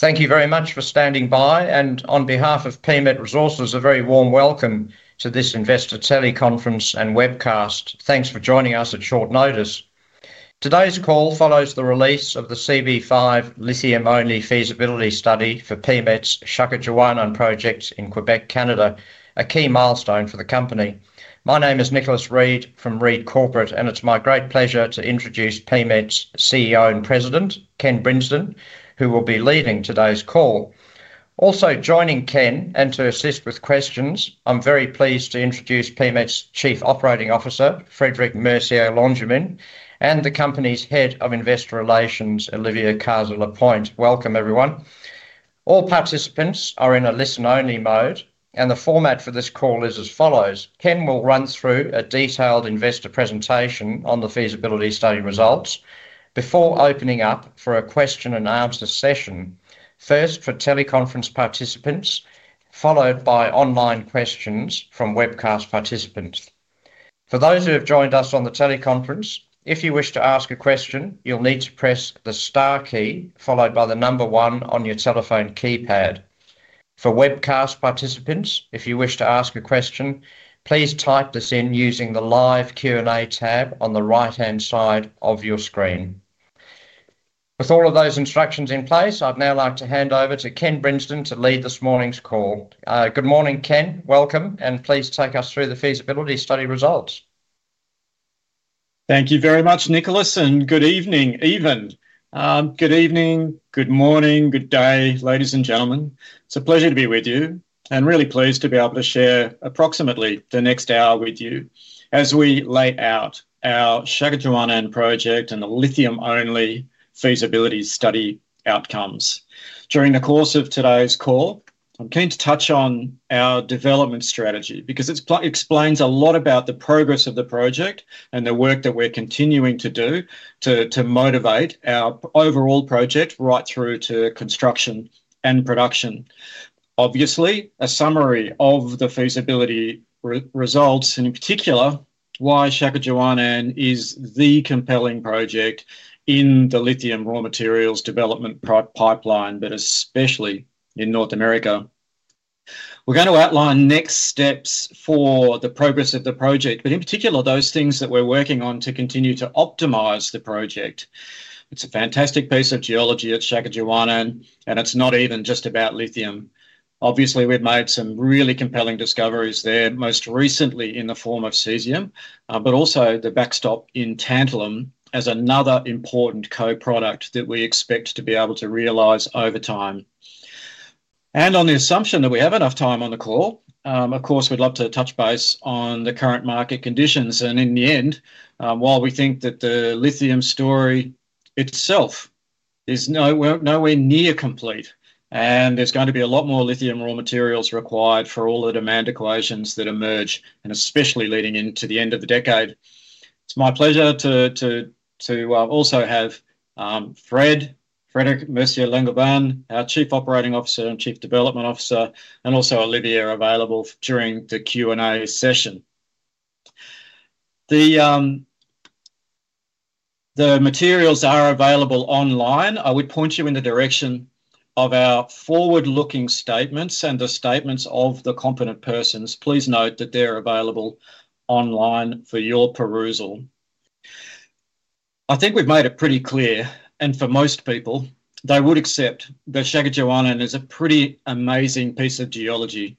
Thank you very much for standing by and, on behalf of PMET Resources, a very warm welcome to this investor teleconference and webcast. Thanks for joining us at short notice. Today's call follows the release of the CV5 lithium-only feasibility study for PMET Shaakichiuwaanaan Project in Quebec, Canada, a key milestone for the company. My name is Nicholas Reid from Reid Corporate, and it's my great pleasure to introduce PMET's CEO and President, Ken Brinsden, who will be leading today's call. Also joining Ken and to assist with questions, I'm very pleased to introduce PMET's Chief Operating Officer, Frédéric Mercier-Langevin, and the company's Head of Investor Relations, Olivier Caza-Lapointe. Welcome, everyone. All participants are in a listen-only mode, and the format for this call is as follows: Ken will run through a detailed investor presentation on the feasibility study results before opening up for a question and answer session, first for teleconference participants, followed by online questions from webcast participants. For those who have joined us on the teleconference, if you wish to ask a question, you'll need to press the star key followed by the number one on your telephone keypad. For webcast participants, if you wish to ask a question, please type this in using the live Q&A tab on the right-hand side of your screen. With all of those instructions in place, I'd now like to hand over to Ken Brinsden to lead this morning's call. Good morning, Ken. Welcome, and please take us through the feasibility study results. Thank you very much, Nicholas, and good evening. Good evening, good morning, good day, ladies and gentlemen. It's a pleasure to be with you and really pleased to be able to share approximately the next hour with you as we lay out our Shaakichiuwaanaan Project and the lithium-only feasibility study outcomes. During the course of today's call, I'm keen to touch on our development strategy because it explains a lot about the progress of the project and the work that we're continuing to do to motivate our overall project right through to construction and production. Obviously, a summary of the feasibility results and, in particular, why Shaakichiuwaanaan is the compelling project in the lithium raw materials development pipeline, especially in North America. We're going to outline next steps for the progress of the project, in particular those things that we're working on to continue to optimize the project. It's a fantastic piece of geology at Shaakichiuwaanaan, and it's not even just about lithium. Obviously, we've made some really compelling discoveries there, most recently in the form of caesium, but also the backstop in tantalum as another important co-product that we expect to be able to realize over time. On the assumption that we have enough time on the call, we'd love to touch base on the current market conditions. In the end, while we think that the lithium story itself is nowhere near complete, there's going to be a lot more lithium raw materials required for all the demand equations that emerge, especially leading into the end of the decade. It's my pleasure to also have Fréd, Frédéric Mercier-Langevin, our Chief Operating Officer and Chief Development Officer, and also Olivia available during the Q&A session. The materials are available online. I would point you in the direction of our forward-looking statements and the statements of the competent persons. Please note that they're available online for your perusal. I think we've made it pretty clear, and for most people, they would accept that Shaakichiuwaanaan is a pretty amazing piece of geology.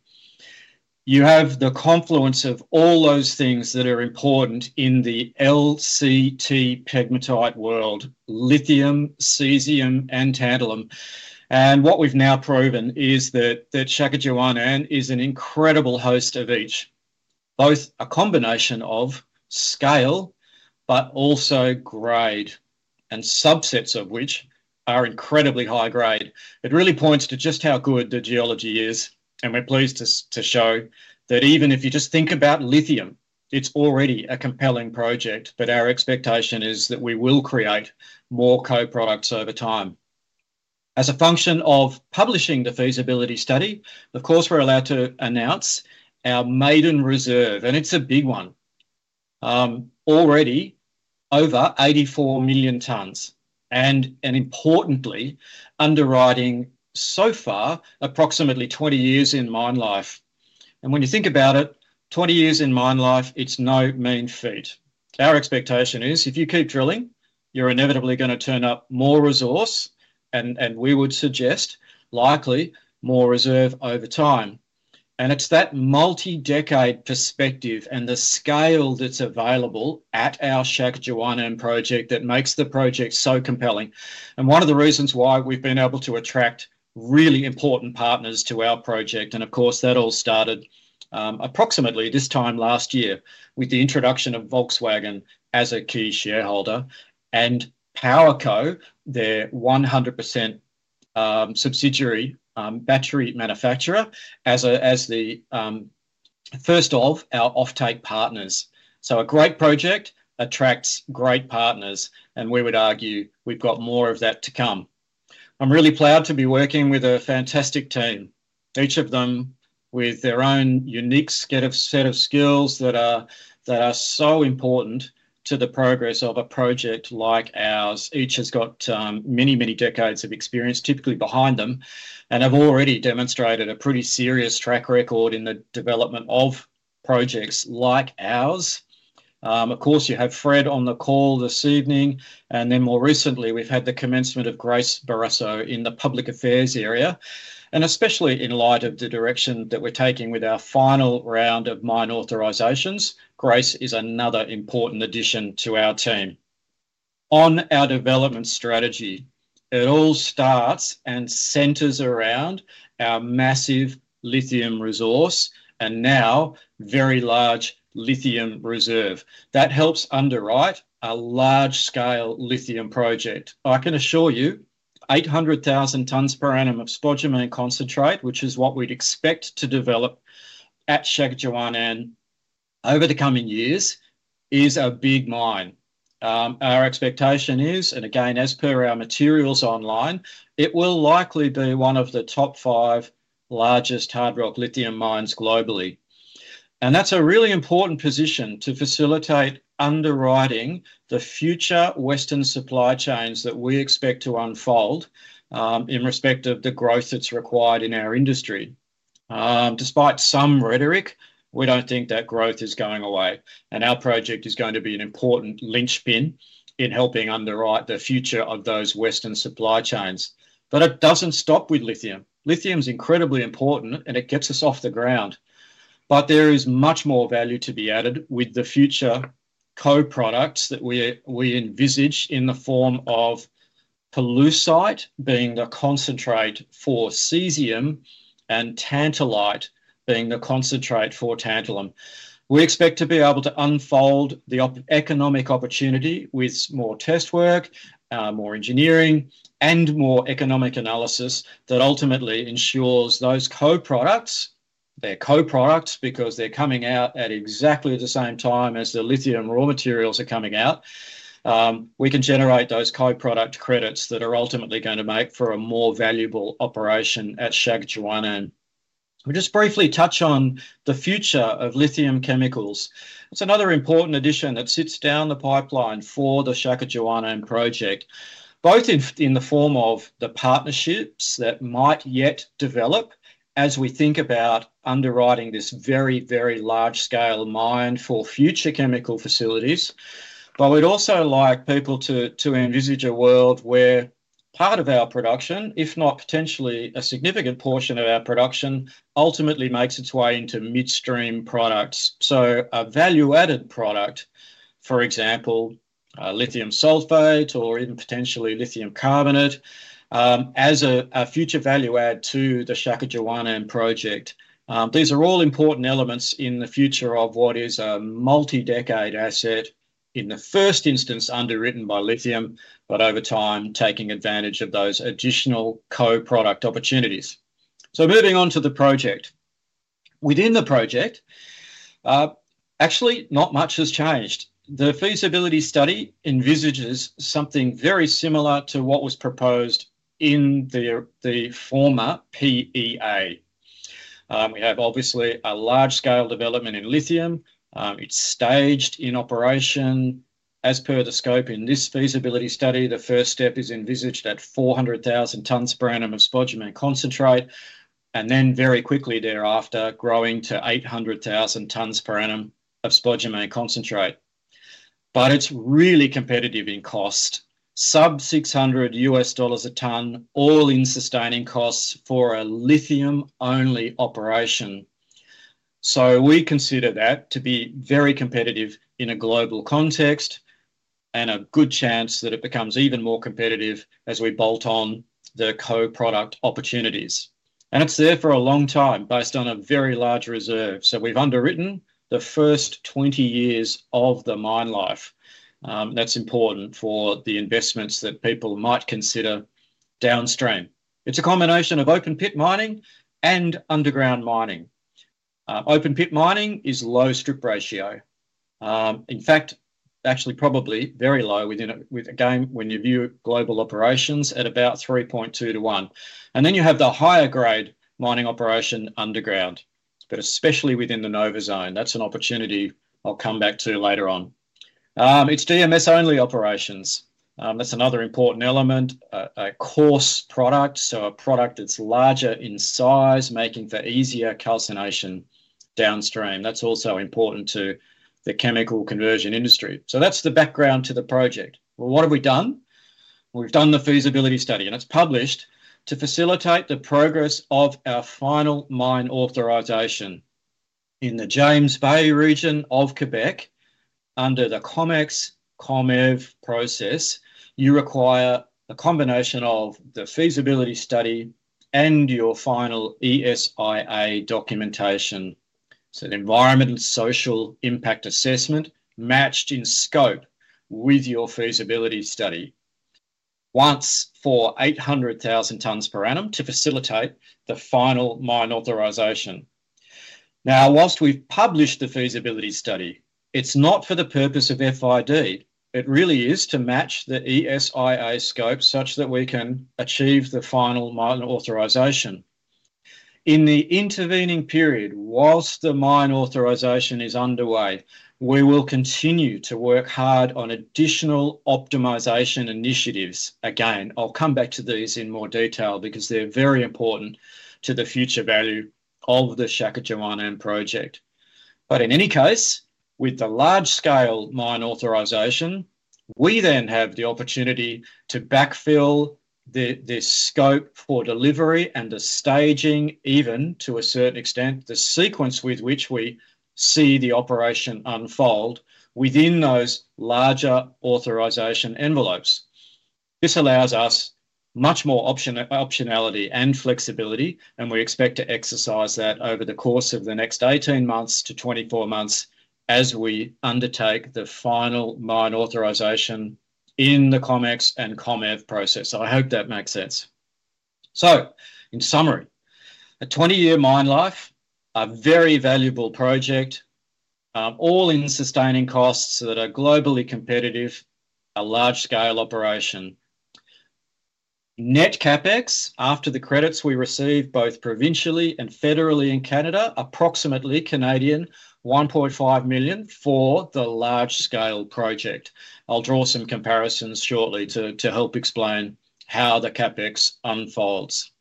You have the confluence of all those things that are important in the LCT pegmatite world: lithium, caesium, and tantalum. What we've now proven is that Shaakichiuwaanaan is an incredible host of each, both a combination of scale but also grade, and subsets of which are incredibly high grade. It really points to just how good the geology is, and we're pleased to show that even if you just think about lithium, it's already a compelling project. Our expectation is that we will create more co-products over time. As a function of publishing the feasibility study, of course, we're allowed to announce our maiden reserve, and it's a big one. Already over 84 million tons and, importantly, underwriting so far approximately 20 years in mine life. When you think about it, 20 years in mine life, it's no mean feat. Our expectation is if you keep drilling, you're inevitably going to turn up more resource, and we would suggest likely more reserve over time. It's that multi-decade perspective and the scale that's available at our Shaakichiuwaanaan Project that makes the project so compelling. One of the reasons why we've been able to attract really important partners to our project, of course, that all started approximately this time last year with the introduction of Volkswagen as a key shareholder and PowerCo, their 100% subsidiary battery manufacturer, as the first of our offtake partners. A great project attracts great partners, and we would argue we've got more of that to come. I'm really proud to be working with a fantastic team, each of them with their own unique set of skills that are so important to the progress of a project like ours. Each has got many, many decades of experience typically behind them and have already demonstrated a pretty serious track record in the development of projects like ours. Of course, you have Fréd on the call this evening, and then more recently we've had the commencement of Grace Barrasso in the public affairs area. Especially in light of the direction that we're taking with our final round of mine authorizations, Grace is another important addition to our team. On our development strategy, it all starts and centers around our massive lithium resource and now very large lithium reserve. That helps underwrite a large-scale lithium project. I can assure you 800,000 tons per annum of spodumene concentrate, which is what we'd expect to develop at Shaakichiuwaanaan over the coming years, is a big mine. Our expectation is, and again as per our materials online, it will likely be one of the top five largest hard rock lithium mines globally. That's a really important position to facilitate underwriting the future Western supply chains that we expect to unfold in respect of the growth that's required in our industry. Despite some rhetoric, we don't think that growth is going away, and our project is going to be an important linchpin in helping underwrite the future of those Western supply chains. It doesn't stop with lithium. Lithium's incredibly important, and it gets us off the ground. There is much more value to be added with the future co-products that we envisage in the form of pollucite being the concentrate for caesium and tantalite being the concentrate for tantalum. We expect to be able to unfold the economic opportunity with more test work, more engineering, and more economic analysis that ultimately ensures those co-products, their co-products because they're coming out at exactly the same time as the lithium raw materials are coming out, we can generate those co-product credits that are ultimately going to make for a more valuable operation at Shaakichiuwaanaan. We'll just briefly touch on the future of lithium chemicals. It's another important addition that sits down the pipeline for the Shaakichiuwaanaan Project, both in the form of the partnerships that might yet develop as we think about underwriting this very, very large-scale mine for future chemical facilities. We'd also like people to envisage a world where part of our production, if not potentially a significant portion of our production, ultimately makes its way into midstream products. A value-added product, for example, lithium sulfate or even potentially lithium carbonate, as a future value add to the Shaakichiuwaanaan Project. These are all important elements in the future of what is a multi-decade asset, in the first instance underwritten by lithium, but over time taking advantage of those additional co-product opportunities. Moving on to the project. Within the project, actually not much has changed. The feasibility study envisages something very similar to what was proposed in the former PEA. We have obviously a large-scale development in lithium. It's staged in operation. As per the scope in this feasibility study, the first step is envisaged at 400,000 tons per annum of spodumene concentrate, and then very quickly thereafter growing to 800,000 tons per annum of spodumene concentrate. It's really competitive in cost, sub $600 a ton, all-in sustaining costs for a lithium-only operation. We consider that to be very competitive in a global context and a good chance that it becomes even more competitive as we bolt on the co-product opportunities. It's there for a long time based on a very large reserve. We've underwritten the first 20 years of the mine life. That's important for the investments that people might consider downstream. It's a combination of open-pit mining and underground mining. Open-pit mining is low strip ratio. In fact, actually probably very low again when you view global operations at about 3.2 to 1. You have the higher grade mining operation underground, especially within the Nova Zone. That's an opportunity I'll come back to later on. It's DMS-only operations. That's another important element, a coarse product, so a product that's larger in size, making for easier calcination downstream. That's also important to the chemical conversion industry. That's the background to the project. What have we done? We've done the feasibility study, and it's published to facilitate the progress of our final mine authorization in the James Bay region of Quebec under the COMEX/COMEV process. You require a combination of the feasibility study and your final ESIA documentation. The Environment and Social Impact Assessment matched in scope with your feasibility study once for 800,000 tons per annum to facilitate the final mine authorization. Whilst we've published the feasibility study, it's not for the purpose of final investment decision. It really is to match the ESIA scope such that we can achieve the final mine authorization. In the intervening period, whilst the mine authorization is underway, we will continue to work hard on additional optimization initiatives. I'll come back to these in more detail because they're very important to the future value of the Shaakichiuwaanaan Project. In any case, with the large-scale mine authorization, we then have the opportunity to backfill this scope for delivery and the staging, even to a certain extent, the sequence with which we see the operation unfold within those larger authorization envelopes. This allows us much more optionality and flexibility, and we expect to exercise that over the course of the next 18-24 months as we undertake the final mine authorization in the COMEX and COMEV process. I hope that makes sense. In summary, a 20-year mine life, a very valuable project, all-in sustaining costs that are globally competitive, a large-scale operation. Net CapEx after the credits we receive both provincially and federally in Canada, approximately 1.5 billion for the large-scale project. I'll draw some comparisons shortly to help explain how the CapEx unfolds.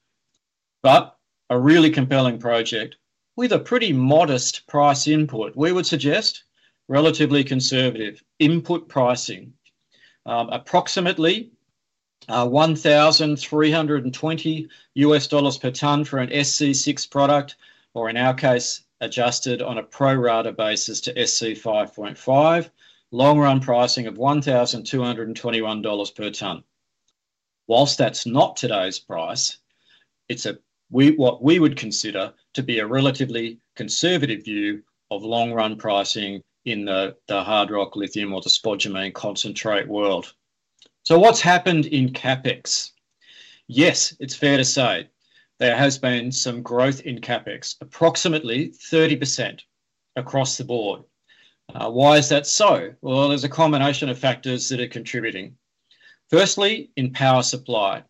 A really compelling project with a pretty modest price input. We would suggest relatively conservative input pricing, approximately $1,320 per ton for an SC6 product, or in our case, adjusted on a pro-rata basis to SC5.5, long-run pricing of $1,221 per ton. Whilst that's not today's price, it's what we would consider to be a relatively conservative view of long-run pricing in the hard rock lithium or the spodumene concentrate world. What's happened in CapEx? Yes, it's fair to say there has been some growth in CapEx, approximately 30% across the board. Why is that so? There's a combination of factors that are contributing. Firstly, in power supply.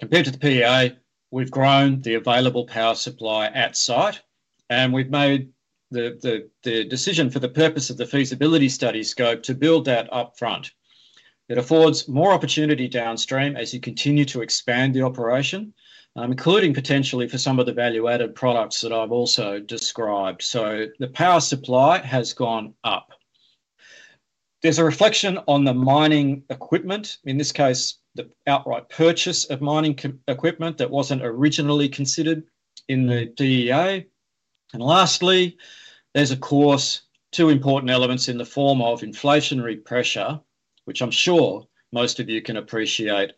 Compared to the PEA, we've grown the available power supply at site, and we've made the decision for the purpose of the feasibility study scope to build that upfront. It affords more opportunity downstream as you continue to expand the operation, including potentially for some of the value-added products that I've also described. The power supply has gone up. There's a reflection on the mining equipment, in this case, the outright purchase of mining equipment that wasn't originally considered in the PEA. Lastly, there are two important elements in the form of inflationary pressure, which I'm sure most of you can appreciate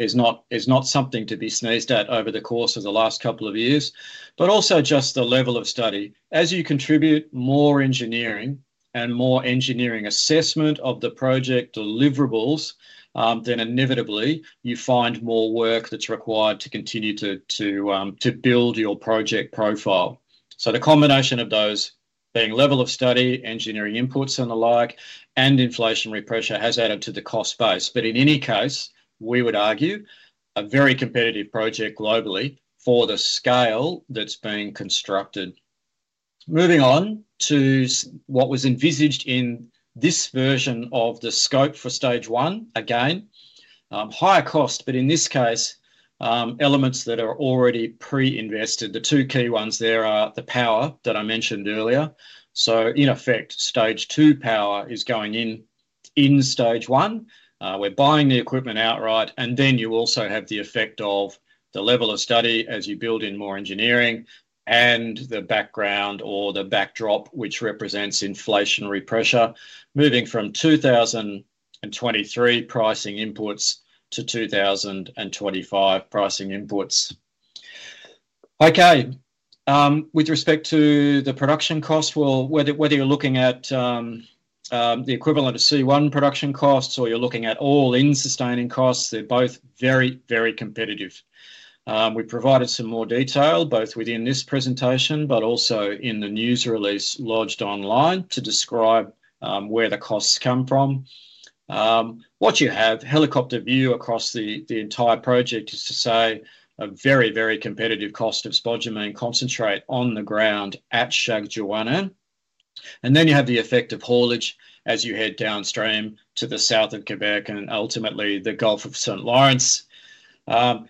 is not something to be sneezed at over the course of the last couple of years, and also just the level of study. As you contribute more engineering and more engineering assessment of the project deliverables, then inevitably you find more work that's required to continue to build your project profile. The combination of those being level of study, engineering inputs and the like, and inflationary pressure has added to the cost base. In any case, we would argue a very competitive project globally for the scale that's being constructed. Moving on to what was envisaged in this version of the scope for stage one, again, higher cost, but in this case, elements that are already pre-invested. The two key ones there are the power that I mentioned earlier. In effect, stage two power is going in in stage one. We're buying the equipment outright, and then you also have the effect of the level of study as you build in more engineering and the background or the backdrop, which represents inflationary pressure, moving from 2023 pricing inputs to 2025 pricing inputs. With respect to the production costs, whether you're looking at the equivalent of C1 production costs or you're looking at all-in sustaining costs, they're both very, very competitive. We provided some more detail both within this presentation but also in the news release lodged online to describe where the costs come from. What you have helicopter view across the entire project is to say a very, very competitive cost of spodumene concentrate on the ground at Shaakichiuwaanaan. Then you have the effect of haulage as you head downstream to the south of Quebec and ultimately the Gulf of St. Lawrence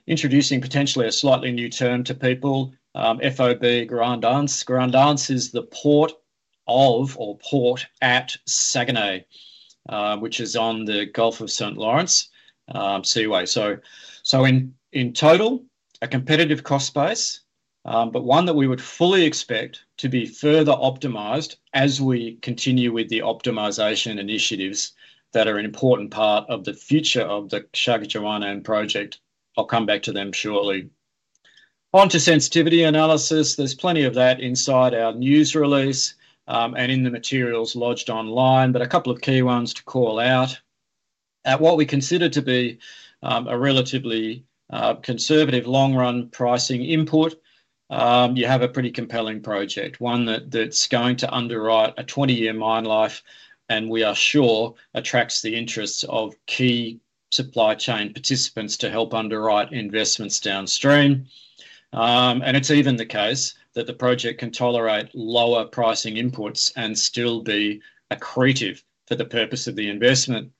introducing potentially a slightly new term to people, FOB Grand Anse. Grand Anse is the port of or port at Saguenay, which is on the Gulf of St. Lawrence Seaway. In total, a competitive cost base, but one that we would fully expect to be further optimized as we continue with the optimization initiatives that are an important part of the future of the Shaakichiuwaanaan Project. I'll come back to them shortly. Onto sensitivity analysis, there's plenty of that inside our news release and in the materials lodged online, but a couple of key ones to call out. At what we consider to be a relatively conservative long-run pricing input, you have a pretty compelling project, one that's going to underwrite a 20-year mine life, and we are sure attracts the interests of key supply chain participants to help underwrite investments downstream. It's even the case that the project can tolerate lower pricing inputs and still be accretive for the purpose of the investment.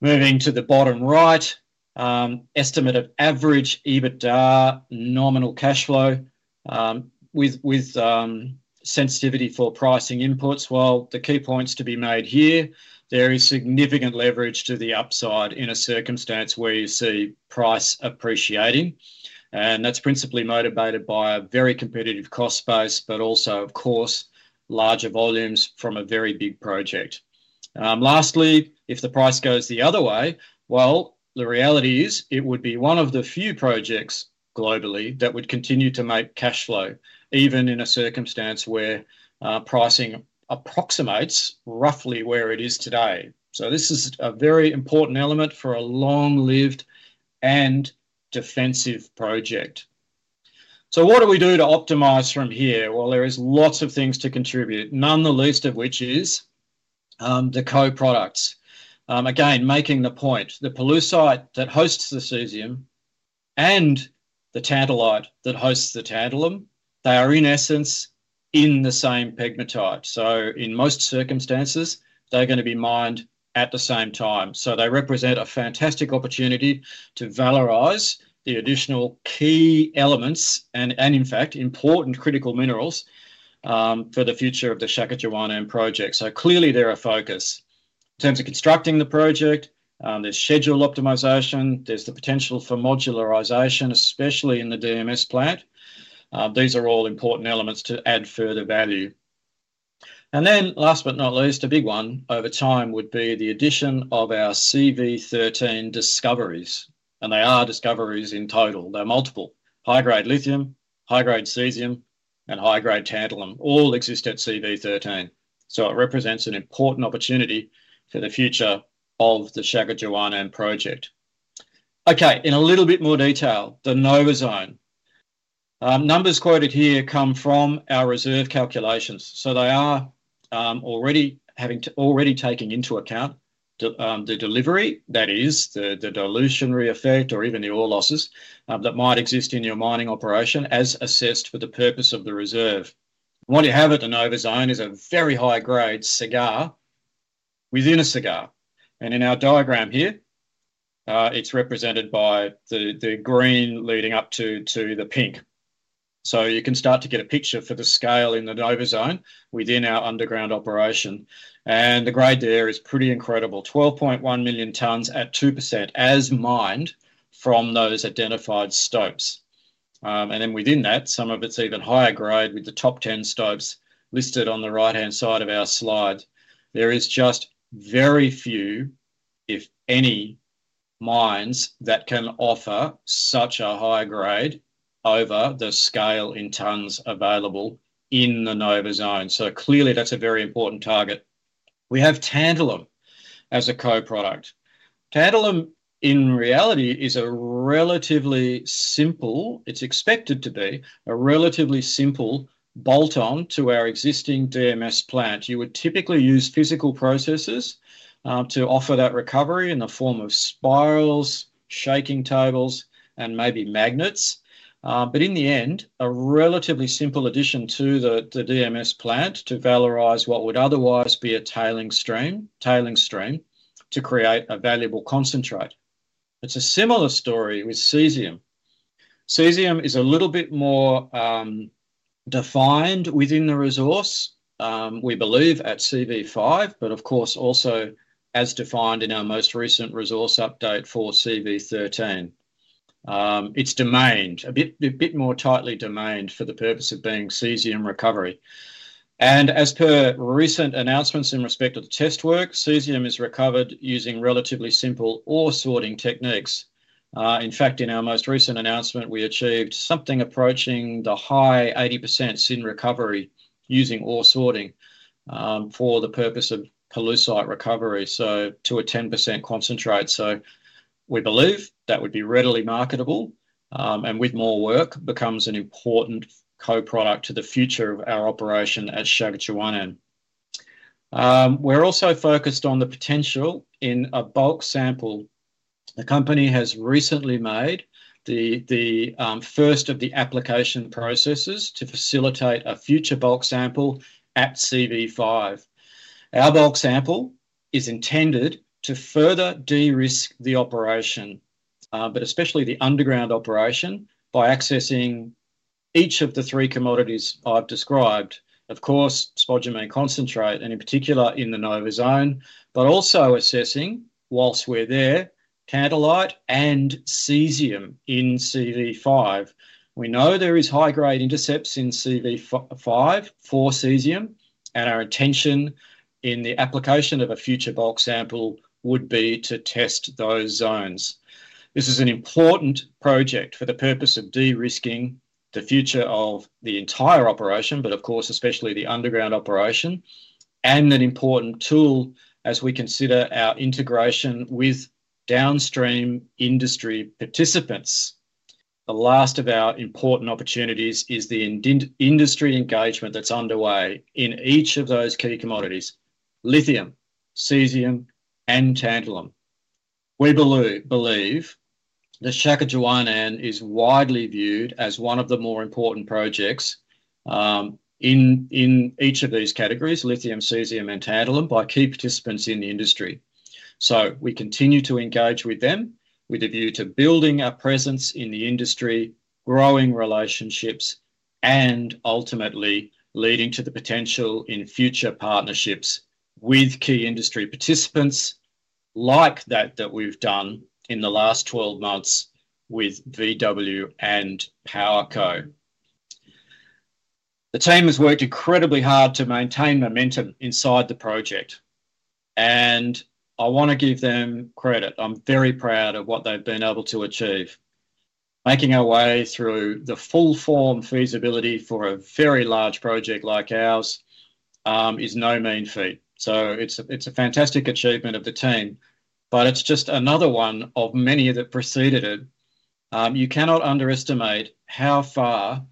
Moving to the bottom right, estimate of average EBITDA nominal cash flow with sensitivity for pricing inputs. The key points to be made here, there is significant leverage to the upside in a circumstance where you see price appreciating, and that's principally motivated by a very competitive cost base, but also, of course, larger volumes from a very big project. Lastly, if the price goes the other way, the reality is it would be one of the few projects globally that would continue to make cash flow, even in a circumstance where pricing approximates roughly where it is today. This is a very important element for a long-lived and defensive project. What do we do to optimize from here? There are lots of things to contribute, none the least of which is the co-products. Again, making the point, the pollucite that hosts the caesium and the tantalite that hosts the tantalum, they are in essence in the same pegmatite. In most circumstances, they're going to be mined at the same time. They represent a fantastic opportunity to valorize the additional key elements and, in fact, important critical minerals for the future of the Shaakichiuwaanaan Project. Clearly, they're a focus. In terms of constructing the project, there's schedule optimization, there's the potential for modularization, especially in the DMS plant. These are all important elements to add further value. Last but not least, a big one over time would be the addition of our CV13 discoveries, and they are discoveries in total. They're multiple: high-grade lithium, high-grade caesium, and high-grade tantalum all exist at CV13. It represents an important opportunity for the future of the Shaakichiuwaanaan Project. In a little bit more detail, the Nova Zone. Numbers quoted here come from our reserve calculations. They are already taking into account the delivery, that is, the dilutionary effect or even the ore losses that might exist in your mining operation as assessed for the purpose of the reserve. What you have at the Nova Zone is a very high-grade cigar within a cigar. In our diagram here, it's represented by the green leading up to the pink. You can start to get a picture for the scale in the Nova Zone within our underground operation. The grade there is pretty incredible: 12.1 million tons at 2% as mined from those identified stopes. Within that, some of it's even higher grade with the top 10 stopes listed on the right-hand side of our slide. There are just very few, if any, mines that can offer such a high grade over the scale in tons available in the Nova Zone. Clearly, that's a very important target. We have tantalum as a co-product. Tantalum, in reality, is expected to be a relatively simple bolt-on to our existing DMS plant. You would typically use physical processes to offer that recovery in the form of spirals, shaking tables, and maybe magnets. In the end, a relatively simple addition to the DMS plant to valorize what would otherwise be a tailings stream to create a valuable concentrate. It's a similar story with caesium. Caesium is a little bit more defined within the resource, we believe, at CV5, but also as defined in our most recent resource update for CV13. It's domained, a bit more tightly domained for the purpose of being caesium recovery. As per recent announcements in respect of the test work, caesium is recovered using relatively simple ore sorting techniques. In fact, in our most recent announcement, we achieved something approaching the high 80% in recovery using ore sorting for the purpose of pollucite recovery, to a 10% concentrate. We believe that would be readily marketable and, with more work, becomes an important co-product to the future of our operation at the Shaakichiuwaanaan. We're also focused on the potential in a bulk sample. The company has recently made the first of the application processes to facilitate a future bulk sample at CV5. Our bulk sample is intended to further de-risk the operation, especially the underground operation, by accessing each of the three commodities I've described. Of course, spodumene concentrate, and in particular in the Nova Zone, but also assessing, whilst we're there, tantalum and caesium in CV5. We know there are high-grade intercepts in CV5 for caesium, and our intention in the application of a future bulk sample would be to test those zones. This is an important project for the purpose of de-risking the future of the entire operation, especially the underground operation, and an important tool as we consider our integration with downstream industry participants. The last of our important opportunities is the industry engagement that's underway in each of those key commodities: lithium, caesium, and tantalum. We believe that the Shaakichiuwaanaan is widely viewed as one of the more important projects in each of these categories: lithium, caesium, and tantalum, by key participants in the industry. We continue to engage with them with a view to building a presence in the industry, growing relationships, and ultimately leading to the potential in future partnerships with key industry participants like that we've done in the last 12 months with VW and PowerCo. The team has worked incredibly hard to maintain momentum inside the project, and I want to give them credit. I'm very proud of what they've been able to achieve. Making our way through the full-form feasibility for a very large project like ours is no mean feat. It's a fantastic achievement of the team, but it's just another one of many that preceded it. You cannot underestimate how far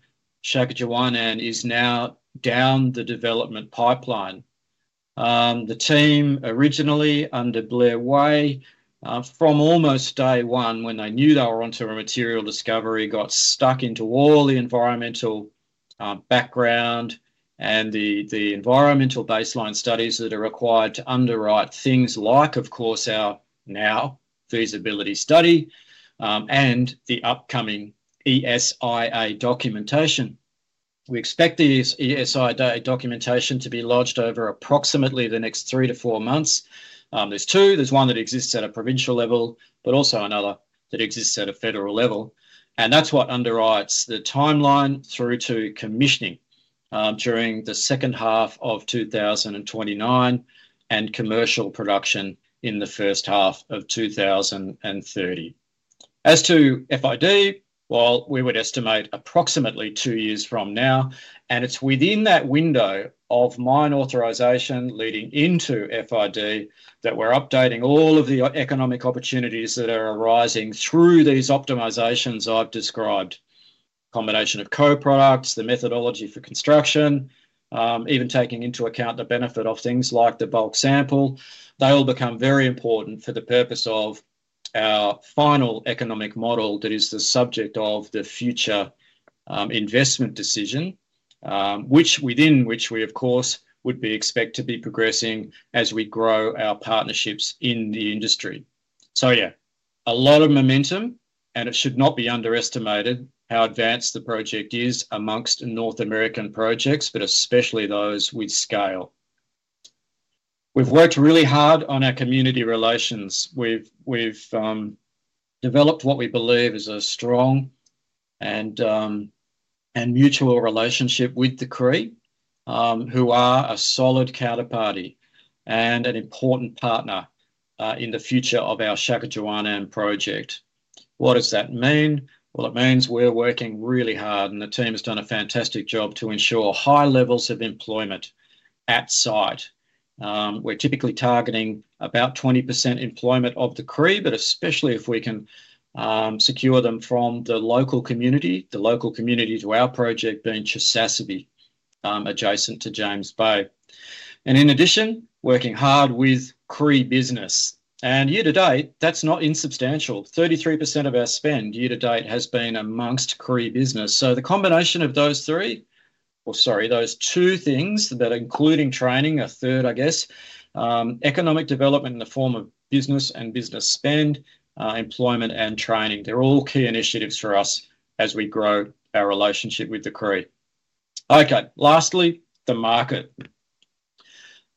Shaakichiuwaanaan is now down the development pipeline. The team originally under Blair Way, from almost day one when they knew they were onto a material discovery, got stuck into all the environmental background and the environmental baseline studies that are required to underwrite things like, of course, our now feasibility study and the upcoming ESIA documentation. We expect the ESIA documentation to be lodged over approximately the next three to four months. There are two. There's one that exists at a provincial level, but also another that exists at a federal level. That's what underwrites the timeline through to commissioning during the second half of 2029 and commercial production in the first half of 2030. As to FID, we would estimate approximately two years from now, and it's within that window of mine authorization leading into FID that we're updating all of the economic opportunities that are arising through these optimizations I've described. A combination of co-products, the methodology for construction, even taking into account the benefit of things like the bulk sample, they all become very important for the purpose of our final economic model that is the subject of the future investment decision, within which we, of course, would expect to be progressing as we grow our partnerships in the industry. A lot of momentum, and it should not be underestimated how advanced the project is amongst North American projects, but especially those with scale. We've worked really hard on our community relations. We've developed what we believe is a strong and mutual relationship with the Cree, who are a solid counterparty and an important partner in the future of our Shaakichiuwaanaan Project. What does that mean? It means we're working really hard, and the team has done a fantastic job to ensure high levels of employment at site. We're typically targeting about 20% employment of the Cree, but especially if we can secure them from the local community, the local community to our project being Chisasibi, adjacent to James Bay. In addition, working hard with Cree business. Year to date, that's not insubstantial. 33% of our spend year to date has been amongst Cree business. The combination of those two things, including training, a third, I guess, economic development in the form of business and business spend, employment, and training, they're all key initiatives for us as we grow our relationship with the Cree. Lastly, the market.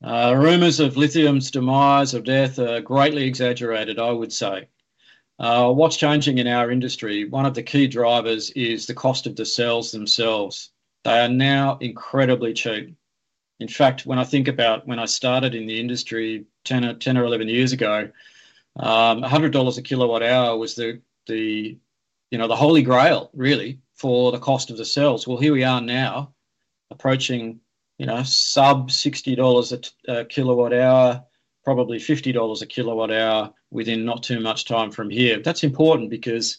Rumors of lithium's demise, of death, are greatly exaggerated, I would say. What's changing in our industry, one of the key drivers is the cost of the cells themselves. They are now incredibly cheap. In fact, when I think about when I started in the industry 10 or 11 years ago, $100 a kilowatt-hour was the, you know, the holy grail, really, for the cost of the cells. Here we are now approaching, you know, sub $60 a kilowatt-hour, probably $50 a kilowatt-hour within not too much time from here. That's important because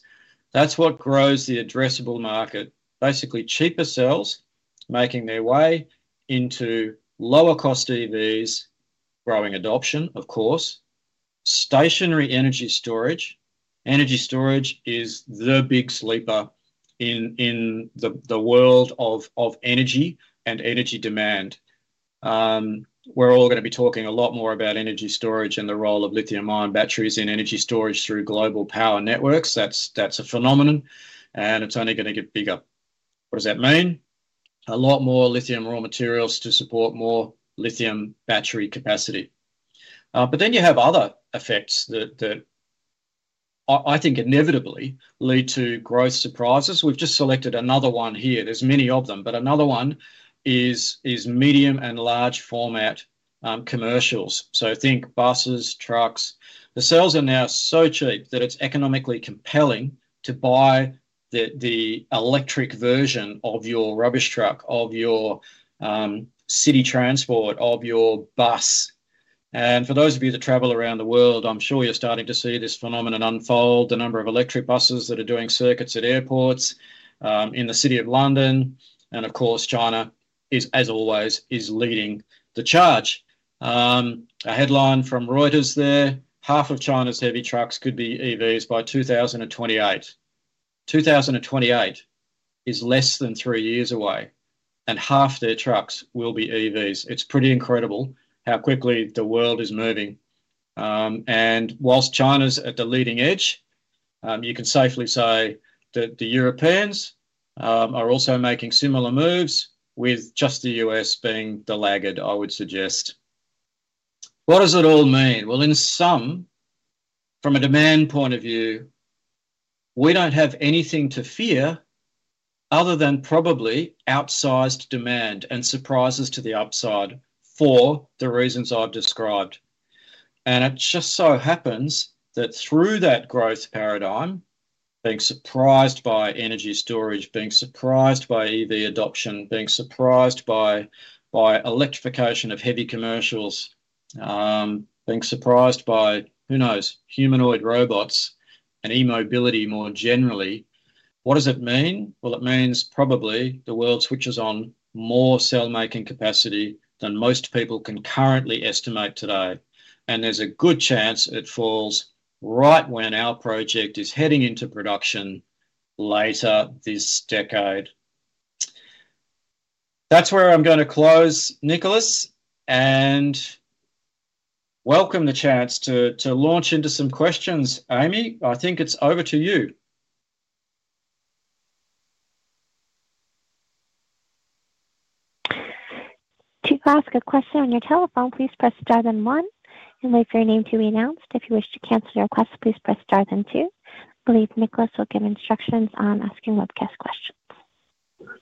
that's what grows the addressable market. Basically, cheaper cells making their way into lower-cost EVs, growing adoption, of course, stationary energy storage. Energy storage is the big sleeper in the world of energy and energy demand. We're all going to be talking a lot more about energy storage and the role of lithium-ion batteries in energy storage through global power networks. That's a phenomenon, and it's only going to get bigger. What does that mean? A lot more lithium raw materials to support more lithium battery capacity. Then you have other effects that I think inevitably lead to growth surprises. We've just selected another one here. There's many of them, but another one is medium and large format commercials. Think buses, trucks. The cells are now so cheap that it's economically compelling to buy the electric version of your rubbish truck, of your city transport, of your bus. For those of you that travel around the world, I'm sure you're starting to see this phenomenon unfold, the number of electric buses that are doing circuits at airports in the city of London. Of course, China is, as always, leading the charge. A headline from Reuters there, half of China's heavy trucks could be EVs by 2028. 2028 is less than three years away, and half their trucks will be EVs. It's pretty incredible how quickly the world is moving. Whilst China's at the leading edge, you can safely say that the Europeans are also making similar moves, with just the U.S. being the laggard, I would suggest. What does it all mean? From a demand point of view, we don't have anything to fear other than probably outsized demand and surprises to the upside for the reasons I've described. It just so happens that through that growth paradigm, being surprised by energy storage, being surprised by EV adoption, being surprised by electrification of heavy commercials, being surprised by, who knows, humanoid robots and e-mobility more generally, what does it mean? It means probably the world switches on more cell-making capacity than most people can currently estimate today. There's a good chance it falls right when our project is heading into production later this decade. That's where I'm going to close, Nicholas, and welcome the chance to launch into some questions. Amy, I think it's over to you. To ask a question on your telephone, please press star then one and wait for your name to be announced. If you wish to cancel your request, please press star then two. I believe Nicholas will give instructions on asking webcast questions.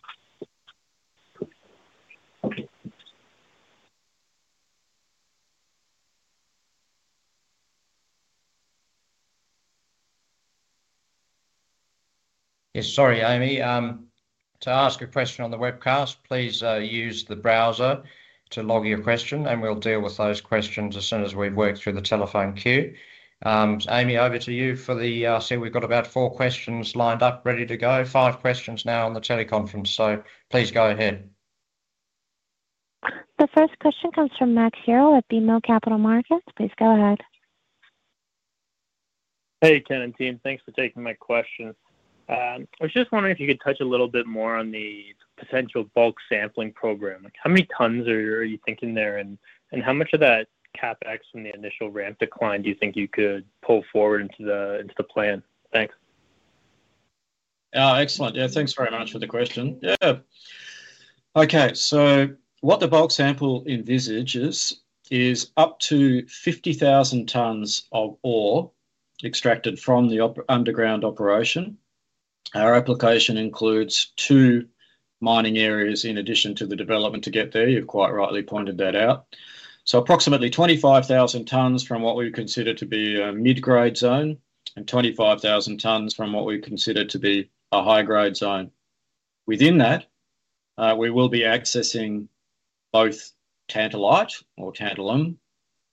Yes, sorry, Amy. To ask a question on the webcast, please use the browser to log your question, and we'll deal with those questions as soon as we've worked through the telephone queue. Amy, over to you for the... I see we've got about four questions lined up ready to go. Five questions now on the teleconference, so please go ahead. The first question comes from Max Yerrill at BMO Capital Markets. Please go ahead. Hey, Ken, and team, thanks for taking my question. I was just wondering if you could touch a little bit more on the potential bulk sampling program. How many tons are you thinking there, and how much of that CapEx from the initial ramp decline do you think you could pull forward into the plan? Thanks. Excellent. Yeah, thanks very much for the question. Okay. What the bulk sample envisages is up to 50,000 tons of ore extracted from the underground operation. Our application includes two mining areas in addition to the development to get there. You've quite rightly pointed that out. Approximately 25,000 tons from what we consider to be a mid-grade zone and 25,000 tons from what we consider to be a high-grade zone. Within that, we will be accessing both tantalite or tantalum,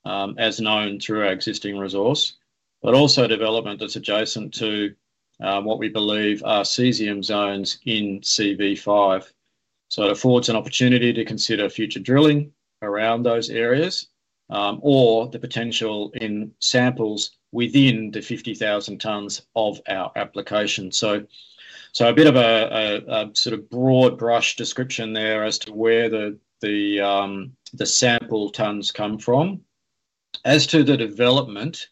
as known through our existing resource, but also development that's adjacent to what we believe are caesium zones in CV5. This affords an opportunity to consider future drilling around those areas or the potential in samples within the 50,000 tons of our application. A bit of a sort of broad brush description there as to where the sample tons come from. As to the development,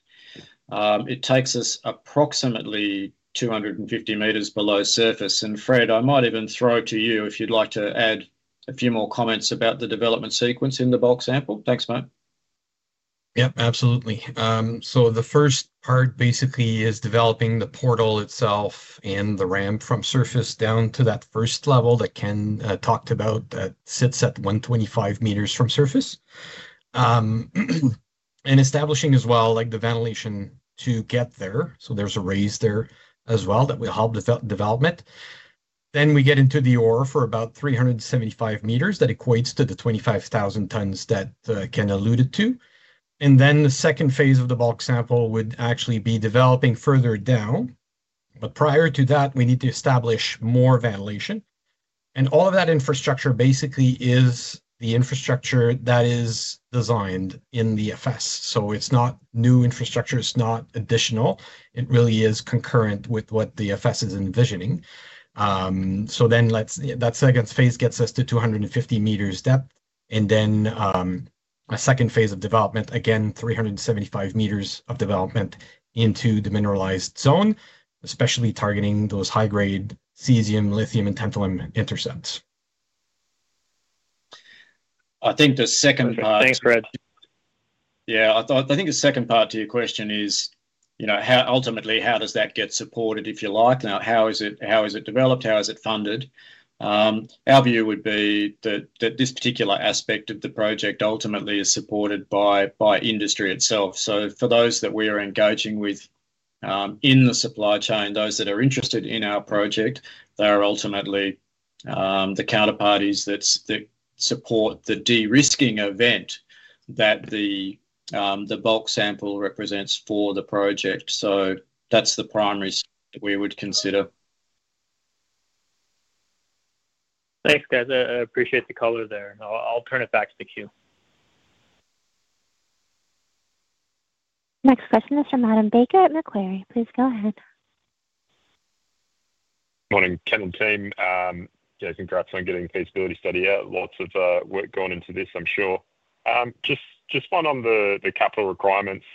it takes us approximately 250 m below surface. Fréd, I might even throw to you if you'd like to add a few more comments about the development sequence in the bulk sample. Thanks, mate. Yep, absolutely. The first part basically is developing the portal itself and the ramp from surface down to that first level that Ken talked about that sits at 125 m from surface and establishing as well the ventilation to get there. There's a raise there as well that will help development. We get into the ore for about 375 m that equates to the 25,000 tons that Ken alluded to. The second phase of the bulk sample would actually be developing further down. Prior to that, we need to establish more ventilation. All of that infrastructure basically is the infrastructure that is designed in the FS. It's not new infrastructure. It's not additional. It really is concurrent with what the FS is envisioning. That second phase gets us to 250 m depth. A second phase of development, again, 375 m of development into the mineralized zone, especially targeting those high-grade caesium, lithium, and tantalum intercepts. Thanks, Fréd. I think the second part to your question is, you know, ultimately, how does that get supported, if you like? How is it developed? How is it funded? Our view would be that this particular aspect of the project ultimately is supported by industry itself. For those that we are engaging with in the supply chain, those that are interested in our project, they are ultimately the counterparties that support the de-risking event that the bulk sample represents for the project. That's the primary we would consider. Thanks, guys. I appreciate the color there. I'll turn it back to the queue. Next question is from Adam Baker at Macquarie. Please go ahead. Morning, Ken, and team. Congrats on getting the feasibility study out. Lots of work gone into this, I'm sure. Just one on the capital requirements.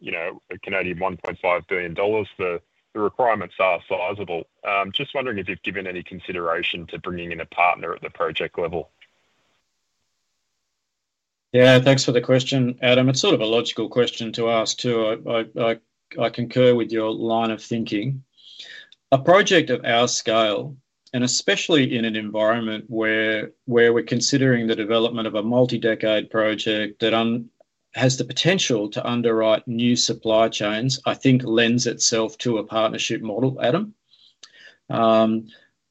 You know, a 1.5 billion dollars, the requirements are sizable. Just wondering if you've given any consideration to bringing in a partner at the project level. Yeah, thanks for the question, Adam. It's sort of a logical question to ask too. I concur with your line of thinking. A project of our scale, especially in an environment where we're considering the development of a multi-decade project that has the potential to underwrite new supply chains, I think lends itself to a partnership model, Adam.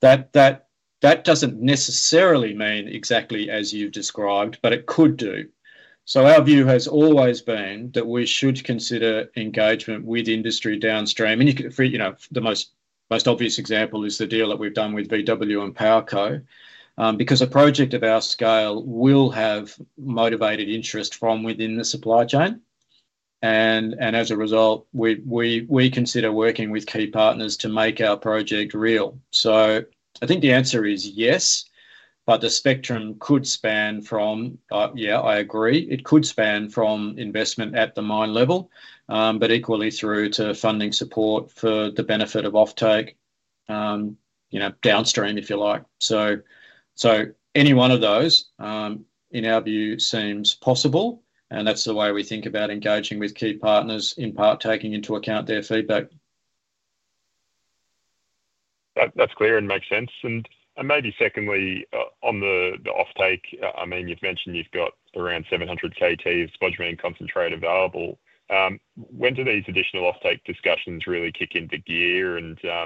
That doesn't necessarily mean exactly as you've described, but it could do. Our view has always been that we should consider engagement with industry downstream. The most obvious example is the deal that we've done with VW and PowerCo because a project of our scale will have motivated interest from within the supply chain. As a result, we consider working with key partners to make our project real. I think the answer is yes, but the spectrum could span from, yeah, I agree, it could span from investment at the mine level, but equally through to funding support for the benefit of offtake, you know, downstream, if you like. Any one of those, in our view, seems possible. That's the way we think about engaging with key partners, in part taking into account their feedback. That's clear and makes sense. Maybe secondly, on the offtake, you've mentioned you've got around 700 KT of spodumene concentrate available. When do these additional offtake discussions really kick into gear? You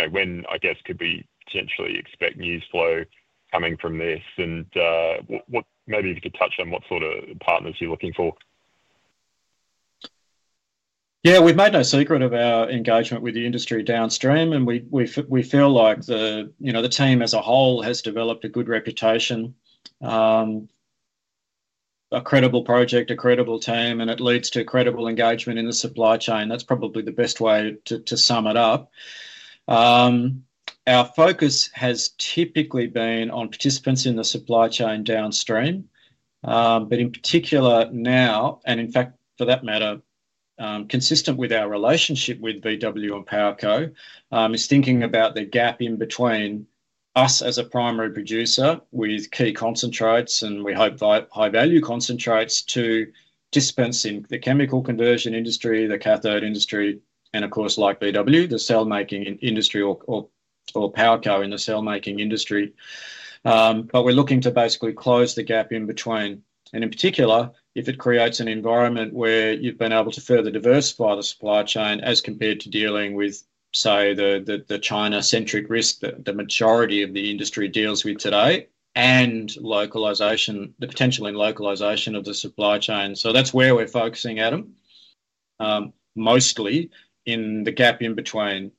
know, when, I guess, could we potentially expect news flow coming from this? What maybe if you could touch on what sort of partners you're looking for. Yeah, we've made no secret of our engagement with the industry downstream, and we feel like the team as a whole has developed a good reputation, a credible project, a credible team, and it leads to credible engagement in the supply chain. That's probably the best way to sum it up. Our focus has typically been on participants in the supply chain downstream. In particular now, and in fact, for that matter, consistent with our relationship with VW and PowerCo, is thinking about the gap in between us as a primary producer with key concentrates, and we hope high-value concentrates, to participants in the chemical conversion industry, the cathode industry, and of course, like VW, the cell-making industry or PowerCo in the cell-making industry. We're looking to basically close the gap in between, and in particular, if it creates an environment where you've been able to further diversify the supply chain as compared to dealing with, say, the China-centric risk that the majority of the industry deals with today and the potential in localization of the supply chain. That's where we're focusing, Adam, mostly in the gap in between.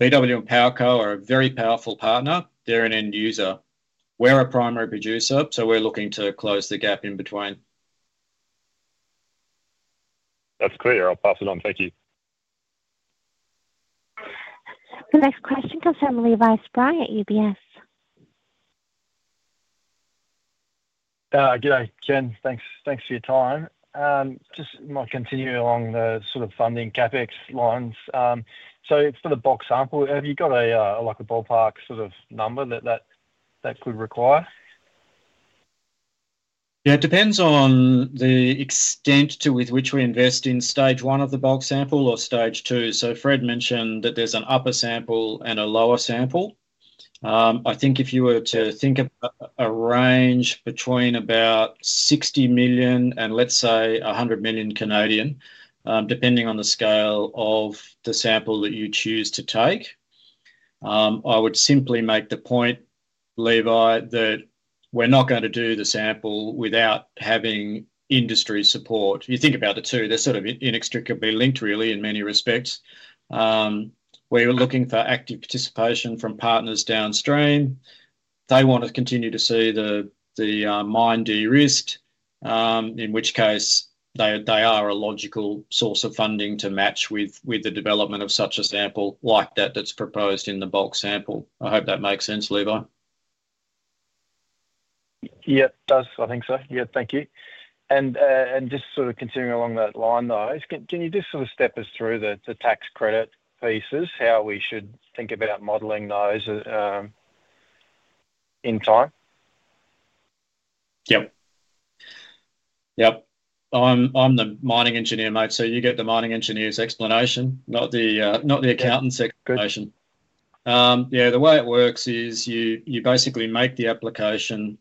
VW and PowerCo are a very powerful partner. They're an end user. We're a primary producer, so we're looking to close the gap in between. That's clear. I'll pass it on. Thank you. The next question comes from Levi Spry at UBS. Yeah, again, thanks for your time. Just might continue along the sort of funding CapEx lines. For the bulk sample, have you got a ballpark sort of number that that could require? It depends on the extent with which we invest in stage one of the bulk sample or stage two. Fréd mentioned that there's an upper sample and a lower sample. I think if you were to think about a range between about 60 million and let's say 100 million, depending on the scale of the sample that you choose to take, I would simply make the point, Levi, that we're not going to do the sample without having industry support. If you think about the two, they're sort of inextricably linked, really, in many respects. We were looking for active participation from partners downstream. They want to continue to see the mine de-risked, in which case they are a logical source of funding to match with the development of such a sample like that that's proposed in the bulk sample. I hope that makes sense, Levi. Yes, it does. I think so. Yeah, thank you. Just sort of continuing along that line, can you just sort of step us through the tax credit pieces, how we should think about modeling those in time? Yep. Yep. I'm the mining engineer, mate. You get the mining engineer's explanation, not the accountant's explanation. The way it works is you basically make the application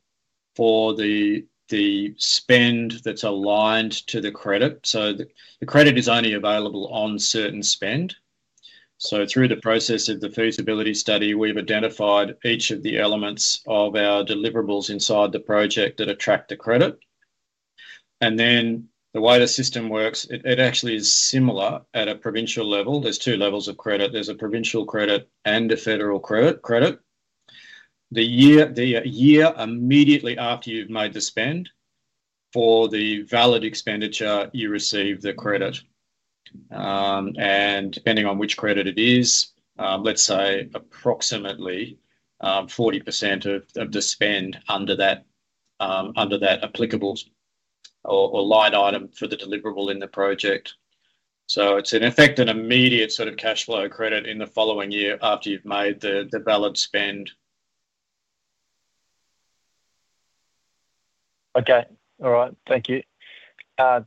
for the spend that's aligned to the credit. The credit is only available on certain spend. Through the process of the feasibility study, we've identified each of the elements of our deliverables inside the project that attract the credit. The way the system works, it actually is similar at a provincial level. There are two levels of credit: there's a provincial credit and a federal credit. The year immediately after you've made the spend for the valid expenditure, you receive the credit. Depending on which credit it is, let's say approximately 40% of the spend under that applicable or line item for the deliverable in the project. It's in effect an immediate sort of cash flow credit in the following year after you've made the valid spend. Okay. All right. Thank you.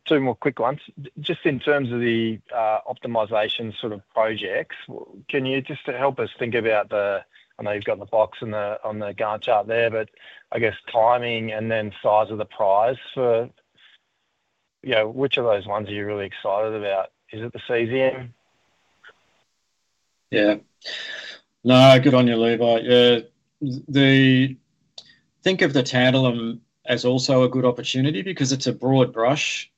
Two more quick ones. Just in terms of the optimization sort of projects, can you just help us think about the... I know you've got the box on the Gantt chart there, but I guess timing and then size of the prize for... you know, which of those ones are you really excited about? Is it the caesium? Yeah. No, good on you, Levi. Think of the tantalum as also a good opportunity because it's a broad brush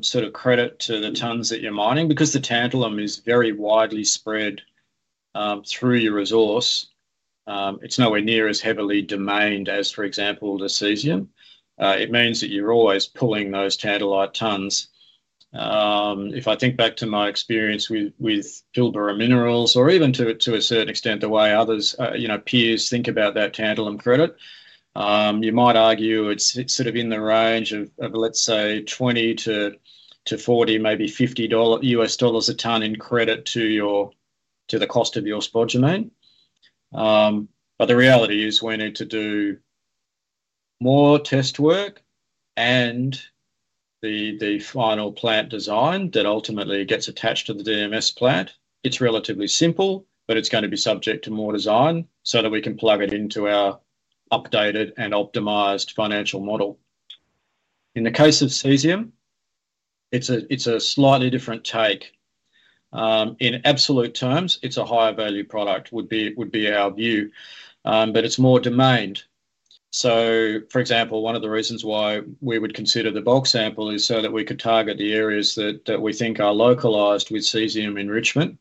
sort of credit to the tons that you're mining because the tantalum is very widely spread through your resource. It's nowhere near as heavily domained as, for example, the caesium. It means that you're always pulling those tantalite tons. If I think back to my experience with Pilbara Minerals or even to a certain extent the way others, you know, peers think about that tantalum credit, you might argue it's sort of in the range of, let's say, $20-$40, maybe $50 a ton in credit to the cost of your spodumene. The reality is we need to do more test work and the final plant design that ultimately gets attached to the DMS plant. It's relatively simple, but it's going to be subject to more design so that we can plug it into our updated and optimized financial model. In the case of caesium, it's a slightly different take. In absolute terms, it's a higher value product, would be our view, but it's more domained. For example, one of the reasons why we would consider the bulk sample is so that we could target the areas that we think are localized with caesium enrichment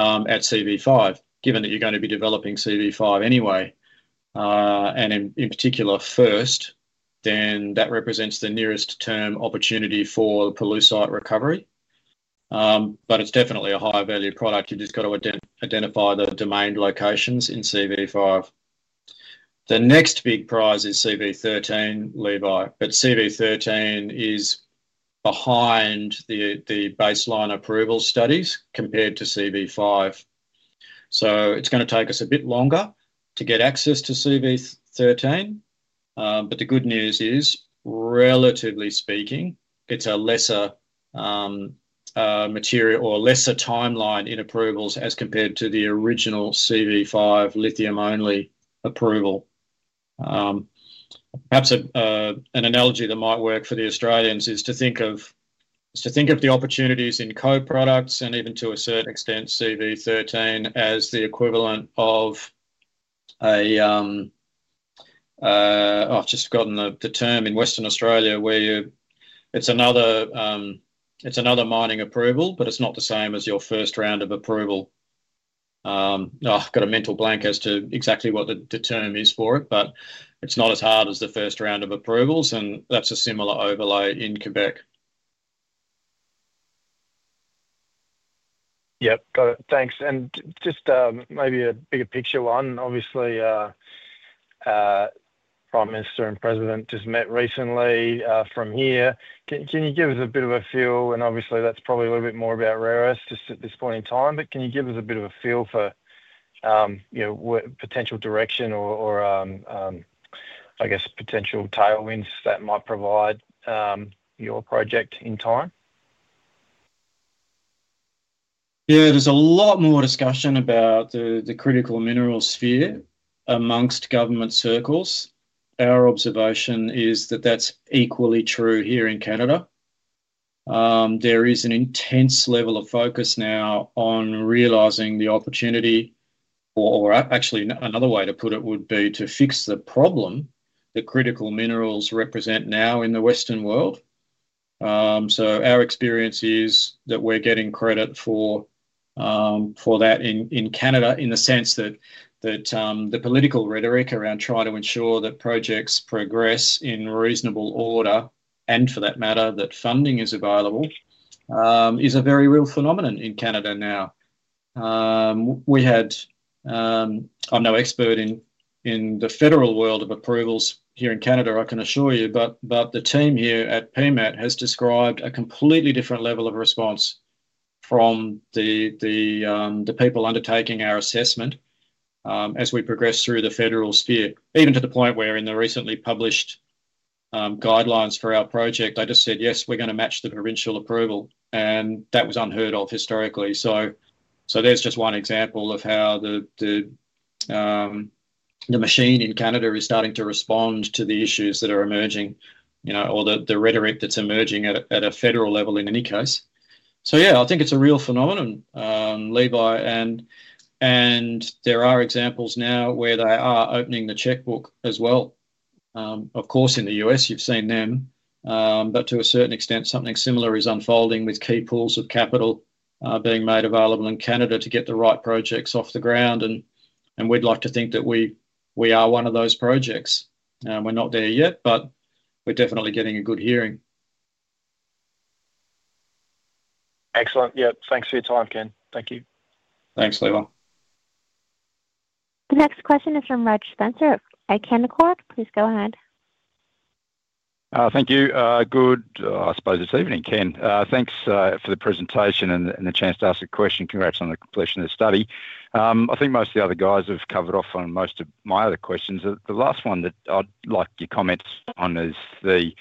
at CV5, given that you're going to be developing CV5 anyway. In particular, first, then that represents the nearest term opportunity for the pollucite recovery. It's definitely a higher value product. You've just got to identify the domained locations in CV5. The next big prize is CV13, Levi, but CV13 is behind the baseline approval studies compared to CV5. It's going to take us a bit longer to get access to CV13, but the good news is, relatively speaking, it's a lesser material or lesser timeline in approvals as compared to the original CV5 lithium-only approval. Perhaps an analogy that might work for the Australians is to think of the opportunities in co-products and even to a certain extent CV13 as the equivalent of a... Oh, I've just forgotten the term in Western Australia where you... It's another mining approval, but it's not the same as your first round of approval. I've got a mental blank as to exactly what the term is for it, but it's not as hard as the first round of approvals, and that's a similar overlay in Quebec. Yep, got it. Thanks. Maybe a bigger picture one, obviously, Prime Minister and President just met recently from here. Can you give us a bit of a feel? Obviously, that's probably a little bit more about [PMET Resources], just at this point in time, but can you give us a bit of a feel for potential direction or, I guess, potential tailwinds that might provide your project in time? Yeah, there's a lot more discussion about the critical mineral sphere amongst government circles. Our observation is that that's equally true here in Canada. There is an intense level of focus now on realizing the opportunity, or actually another way to put it would be to fix the problem that critical minerals represent now in the Western world. Our experience is that we're getting credit for that in Canada in the sense that the political rhetoric around trying to ensure that projects progress in reasonable order and, for that matter, that funding is available is a very real phenomenon in Canada now. I'm no expert in the federal world of approvals here in Canada, I can assure you, but the team here at PMET. has described a completely different level of response from the people undertaking our assessment as we progress through the federal sphere, even to the point where in the recently published guidelines for our project, I just said, yes, we're going to match the provincial approval, and that was unheard of historically. There's just one example of how the machine in Canada is starting to respond to the issues that are emerging, you know, or the rhetoric that's emerging at a federal level in any case. I think it's a real phenomenon, Levi, and there are examples now where they are opening the checkbook as well. Of course, in the U.S., you've seen them, but to a certain extent, something similar is unfolding with key pools of capital being made available in Canada to get the right projects off the ground. We'd like to think that we are one of those projects. We're not there yet, but we're definitely getting a good hearing. Excellent. Yeah, thanks for your time, Ken. Thank you. Thanks, Levi. The next question is from Reg Spencer at Canaccord. Please go ahead. Thank you. Good, I suppose it's evening, Ken. Thanks for the presentation and the chance to ask a question. Congrats on the completion of the study. I think most of the other guys have covered off on most of my other questions. The last one that I'd like your comments on is the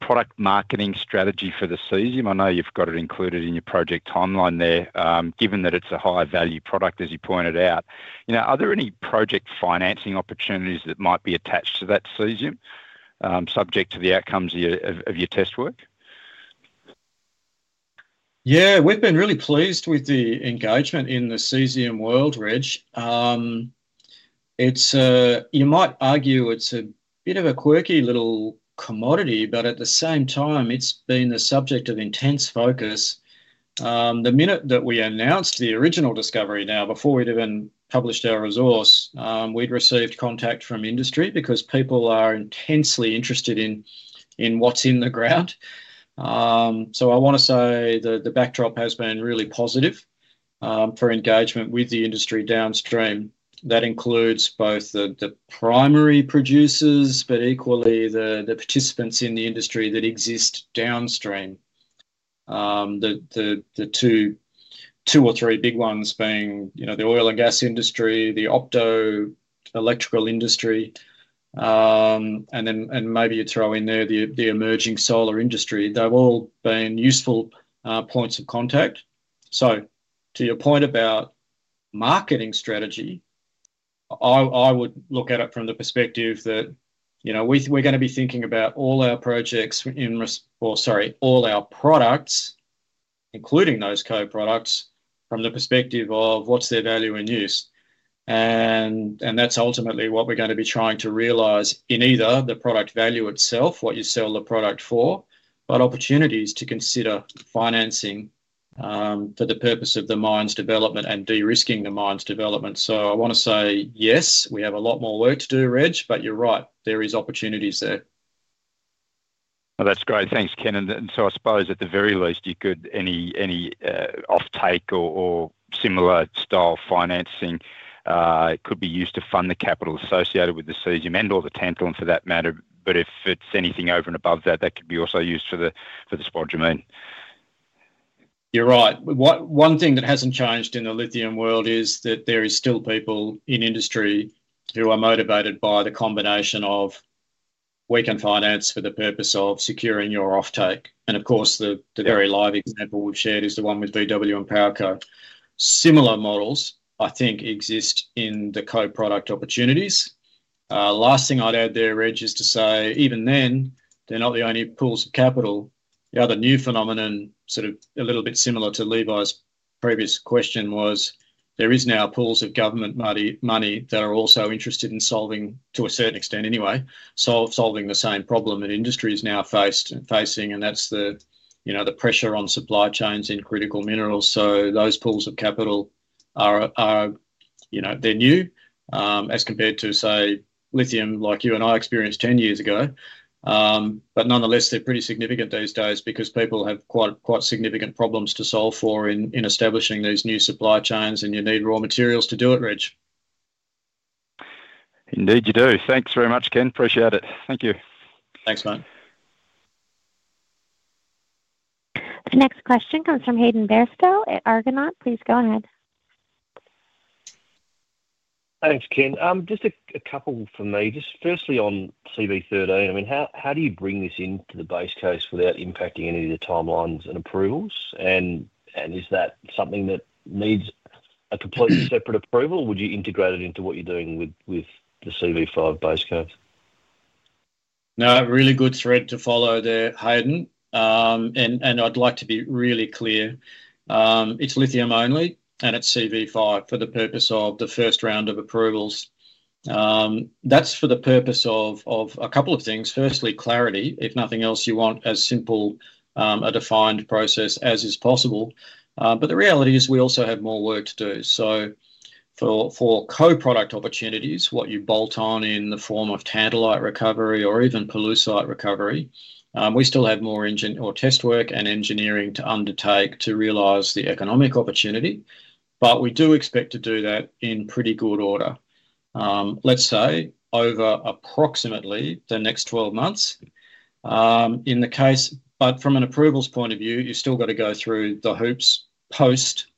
product marketing strategy for the caesium. I know you've got it included in your project timeline there, given that it's a high-value product, as you pointed out. You know, are there any project financing opportunities that might be attached to that caesium subject to the outcomes of your test work? Yeah, we've been really pleased with the engagement in the caesium world, Reg. You might argue it's a bit of a quirky little commodity, but at the same time, it's been the subject of intense focus. The minute that we announced the original discovery, before we'd even published our resource, we'd received contact from industry because people are intensely interested in what's in the ground. I want to say the backdrop has been really positive for engagement with the industry downstream. That includes both the primary producers, but equally the participants in the industry that exist downstream, the two or three big ones being, you know, the oil and gas industry, the optoelectrical industry, and then maybe you throw in there the emerging solar industry. They've all been useful points of contact. To your point about marketing strategy, I would look at it from the perspective that we're going to be thinking about all our projects in, or sorry, all our products, including those co-products, from the perspective of what's their value in use. That's ultimately what we're going to be trying to realize in either the product value itself, what you sell the product for, but opportunities to consider financing for the purpose of the mines' development and de-risking the mines' development. I want to say yes, we have a lot more work to do, Reg, but you're right, there are opportunities there. That's great. Thanks, Ken. I suppose at the very least, you could, any offtake or similar style financing could be used to fund the capital associated with the caesium and/or the tantalum for that matter. If it's anything over and above that, that could be also used for the spodumene. You're right. One thing that hasn't changed in the lithium world is that there are still people in industry who are motivated by the combination of we can finance for the purpose of securing your offtake. Of course, the very live example we've shared is the one with VW and PowerCo. Similar models, I think, exist in the co-product opportunities. Last thing I'd add there, Reg, is to say even then, they're not the only pools of capital. The other new phenomenon, sort of a little bit similar to Levi's previous question, was there are now pools of government money that are also interested in solving, to a certain extent anyway, solving the same problem that industry is now facing, and that's the pressure on supply chains in critical minerals. Those pools of capital, you know, they're new as compared to, say, lithium like you and I experienced 10 years ago. Nonetheless, they're pretty significant these days because people have quite significant problems to solve for in establishing these new supply chains, and you need raw materials to do it, Reg. Indeed, you do. Thanks very much, Ken. Appreciate it. Thank you. Thanks, mate. The next question comes from Hayden Bairstow at Argonaut. Please go ahead. Thanks, Ken. Just a couple for me. Just firstly on CV13, I mean, how do you bring this into the base case without impacting any of the timelines and approvals? Is that something that needs a completely separate approval, or would you integrate it into what you're doing with the CV5 base case? No, really good thread to follow there, Hayden. I'd like to be really clear. It's lithium only, and it's CV5 for the purpose of the first round of approvals. That's for the purpose of a couple of things. Firstly, clarity. If nothing else, you want as simple a defined process as is possible. The reality is we also have more work to do. For co-product opportunities, what you bolt on in the form of tantalite recovery or even pollucite recovery, we still have more test work and engineering to undertake to realize the economic opportunity. We do expect to do that in pretty good order, let's say over approximately the next 12 months in the case. From an approvals point of view, you've still got to go through the hoops post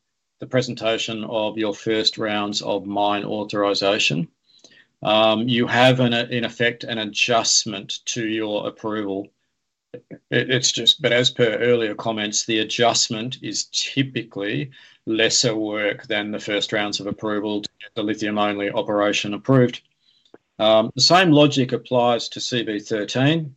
the presentation of your first rounds of mine authorization. You have, in effect, an adjustment to your approval. As per earlier comments, the adjustment is typically lesser work than the first rounds of approval to get the lithium-only operation approved. The same logic applies to CV13.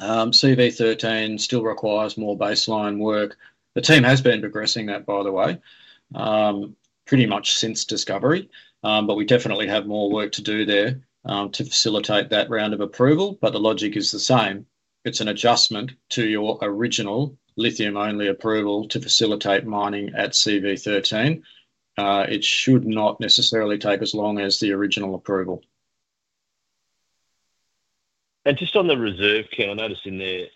CV13 still requires more baseline work. The team has been progressing that, by the way, pretty much since discovery. We definitely have more work to do there to facilitate that round of approval. The logic is the same. It's an adjustment to your original lithium-only approval to facilitate mining at CV13. It should not necessarily take as long as the original approval. On the reserve, Ken, I noticed in there,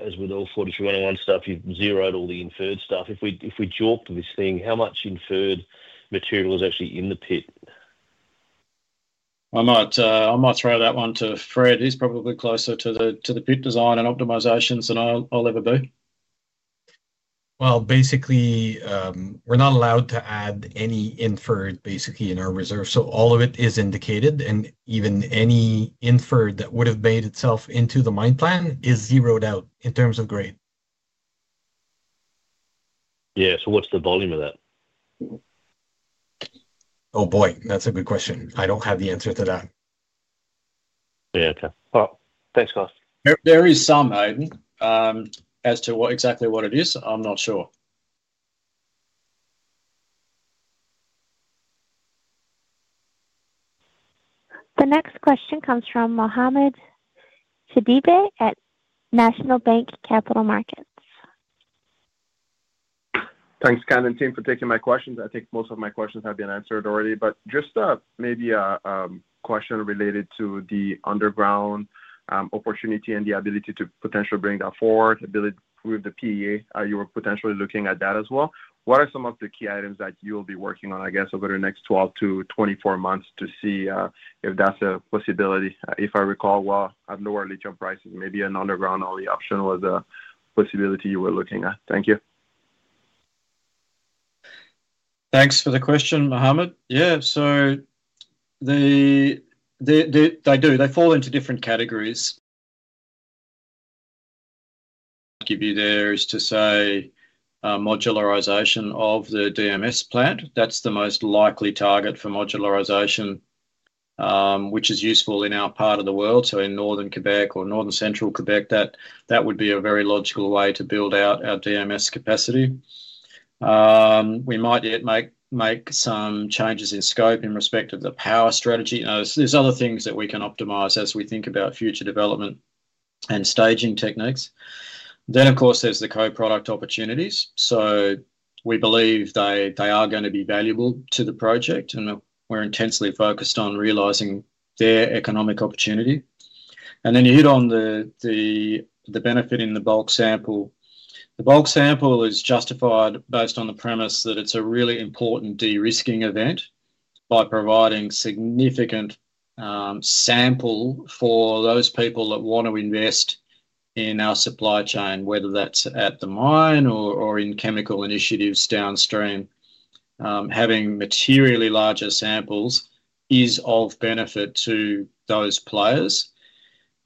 as with all 43-101 stuff, you've zeroed all the inferred stuff. If we jawed this thing, how much inferred material is actually in the pit? I might throw that one to Fréd. He's probably closer to the pit design and optimizations than I'll ever be. We're not allowed to add any inferred in our reserve. All of it is indicated, and even any inferred that would have made itself into the mine plan is zeroed out in terms of grade. Yeah, what's the volume of that? Oh boy, that's a good question. I don't have the answer to that. Yeah, okay. Thanks, guys. There is some, Hayden. As to exactly what it is, I'm not sure. The next question comes from Mohamed Sidibé at National Bank Capital Markets. Thanks, Ken, and team, for taking my questions. I think most of my questions have been answered already, but just maybe a question related to the underground opportunity and the ability to potentially bring that forward, the ability to prove the PEA. You were potentially looking at that as well. What are some of the key items that you will be working on over the next 12-24 months to see if that's a possibility? If I recall well, at lower lithium prices, maybe an underground-only option was a possibility you were looking at. Thank you. Thanks for the question, Mohamed. Yeah, they do. They fall into different categories. I'd give you there is to say modularization of the DMS plant. That's the most likely target for modularization, which is useful in our part of the world. In northern Quebec or northern central Quebec, that would be a very logical way to build out our DMS capacity. We might yet make some changes in scope in respect of the power strategy. There are other things that we can optimize as we think about future development and staging techniques. Of course, there are the co-product opportunities. We believe they are going to be valuable to the project, and we're intensely focused on realizing their economic opportunity. You hit on the benefit in the bulk sample. The bulk sample is justified based on the premise that it's a really important de-risking event by providing significant sample for those people that want to invest in our supply chain, whether that's at the mine or in chemical initiatives downstream. Having materially larger samples is of benefit to those players.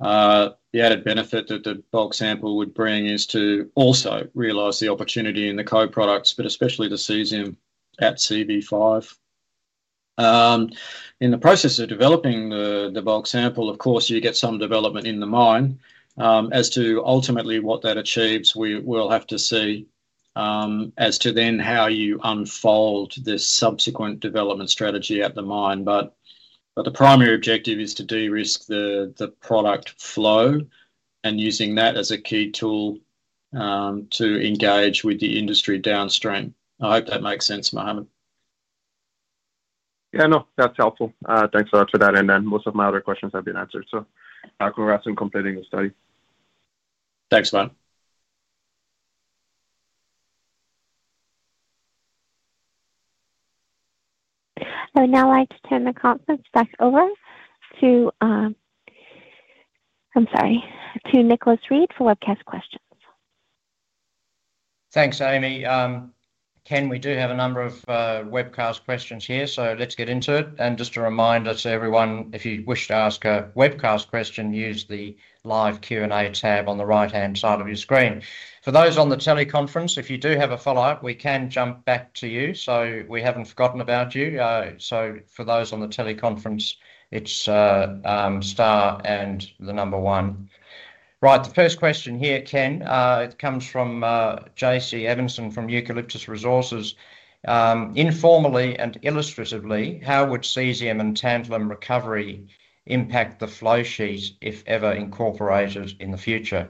The added benefit that the bulk sample would bring is to also realize the opportunity in the co-products, but especially the caesium at CV5. In the process of developing the bulk sample, you get some development in the mine. As to ultimately what that achieves, we'll have to see as to how you unfold this subsequent development strategy at the mine. The primary objective is to de-risk the product flow and use that as a key tool to engage with the industry downstream. I hope that makes sense, Mohamed. Yeah, no, that's helpful. Thanks a lot for that. Most of my other questions have been answered. Congrats on completing the study. Thanks, mate. I would now like to turn the conference back over to Nicholas Reid for webcast questions. Thanks, Amy. Ken, we do have a number of webcast questions here, so let's get into it. Just a reminder to everyone, if you wish to ask a webcast question, use the live Q&A tab on the right-hand side of your screen. For those on the teleconference, if you do have a follow-up, we can jump back to you. We haven't forgotten about you. For those on the teleconference, it's Star and the number one. The first question here, Ken, comes from JC Evensen from Eucalyptus Resources. Informally and illustratively, how would caesium and tantalum recovery impact the flow sheet if ever incorporated in the future?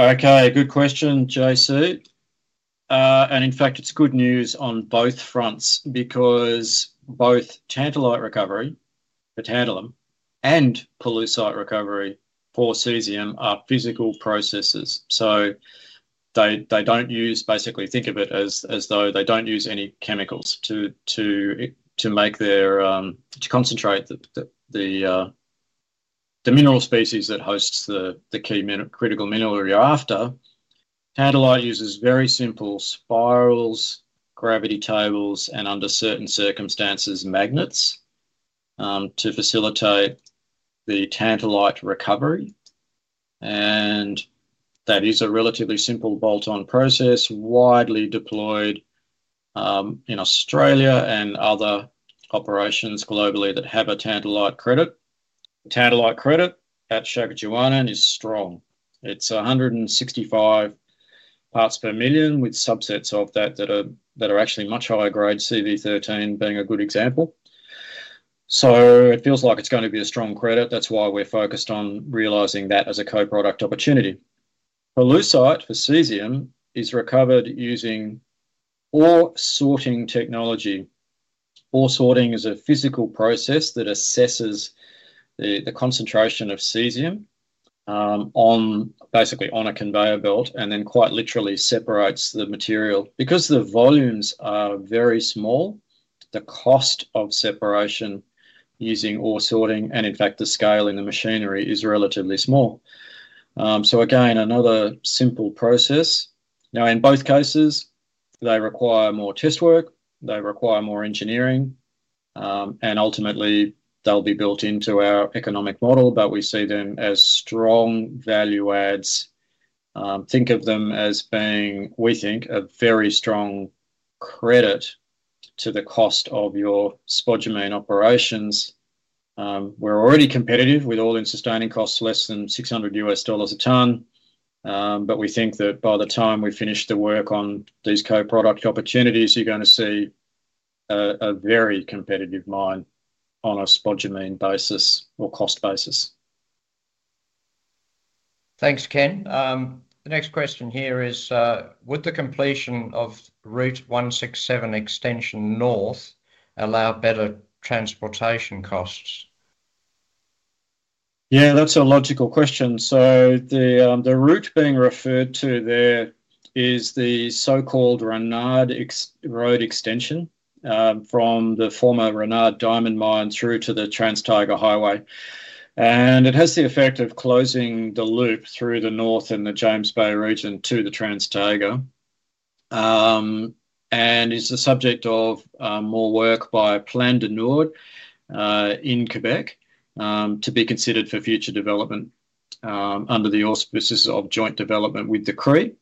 Okay, good question, JC. In fact, it's good news on both fronts because both tantalite recovery for tantalum and pollucite recovery for caesium are physical processes. They don't use, basically, think of it as though they don't use any chemicals to concentrate the mineral species that host the key critical mineral thereafter. Tantalite uses very simple spirals, gravity tables, and under certain circumstances, magnets to facilitate the tantalite recovery. That is a relatively simple bolt-on process widely deployed in Australia and other operations globally that have a tantalite credit. Tantalite credit at Shaakichiuwaanaan is strong. It's 165 parts per million with subsets of that that are actually much higher grade, CV13 being a good example. It feels like it's going to be a strong credit. That's why we're focused on realizing that as a co-product opportunity. Pollucite for caesium is recovered using ore sorting technology. Ore sorting is a physical process that assesses the concentration of caesium basically on a conveyor belt and then quite literally separates the material. Because the volumes are very small, the cost of separation using ore sorting and, in fact, the scale in the machinery is relatively small. Again, another simple process. In both cases, they require more test work, they require more engineering, and ultimately, they'll be built into our economic model, but we see them as strong value adds. Think of them as being, we think, a very strong credit to the cost of your spodumene operations. We're already competitive with all-in sustaining costs less than $600 a ton, but we think that by the time we finish the work on these co-product opportunities, you're going to see a very competitive mine on a spodumene basis or cost basis. Thanks, Ken. The next question here is, would the completion of Route 167 extension north allow better transportation costs? Yeah, that's a logical question. The route being referred to there is the so-called Renard Road extension from the former Renard Diamond Mine through to the Trans-Taiga Highway. It has the effect of closing the loop through the north and the James Bay region to the Trans-Taiga. It's the subject of more work by Plan Nord in Quebec to be considered for future development under the auspices of joint development with the Cree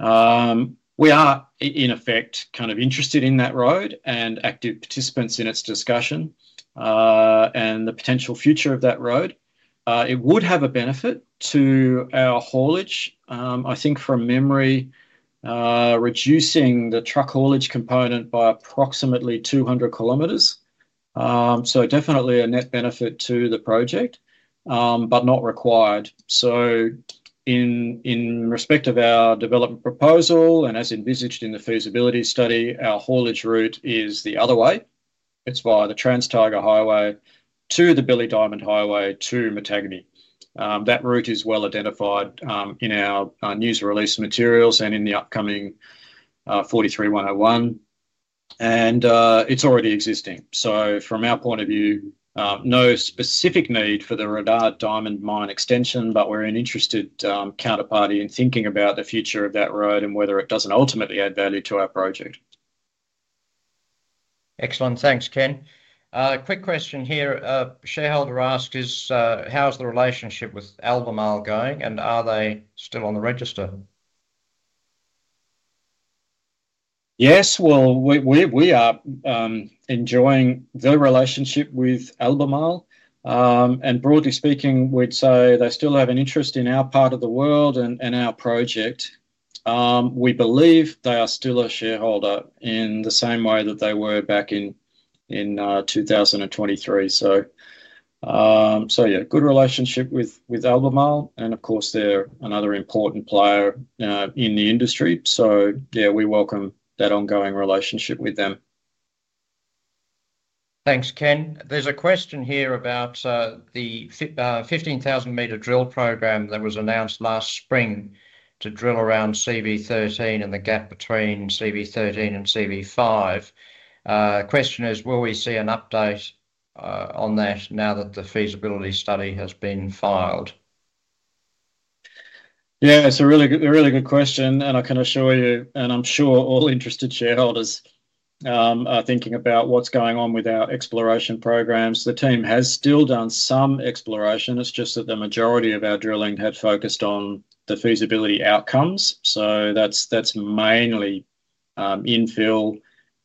Nation. We are, in effect, kind of interested in that road and active participants in its discussion. and the potential future of that road. It would have a benefit to our haulage. I think from memory, reducing the truck haulage component by approximately 200 km. Definitely a net benefit to the project, but not required. In respect of our development proposal and as envisaged in the feasibility study, our haulage route is the other way. It's via the Trans-Tyger Highway to the Billy Diamond Highway to Mattagny. That route is well identified in our news release materials and in the upcoming 43-101. It's already existing. From our point of view, no specific need for the Radar Diamond Mine extension, but we're an interested counterparty in thinking about the future of that road and whether it doesn't ultimately add value to our project. Excellent. Thanks, Ken. A quick question here. A shareholder asked how is the relationship with Albemarle going and are they still on the register? Yes. We are enjoying the relationship with Albemarle, and broadly speaking, we'd say they still have an interest in our part of the world and our project. We believe they are still a shareholder in the same way that they were back in 2023. Yeah, good relationship with Albemarle, and of course, they're another important player in the industry. We welcome that ongoing relationship with them. Thanks, Ken. There's a question here about the 15,000-m drill program that was announced last spring to drill around CV13 and the gap between CV13 and CV5. The question is, will we see an update on that now that the feasibility study has been filed? Yeah, it's a really good, a really good question. I can assure you, and I'm sure all interested shareholders are thinking about what's going on with our exploration programs. The team has still done some exploration. It's just that the majority of our drilling had focused on the feasibility outcomes. That's mainly infill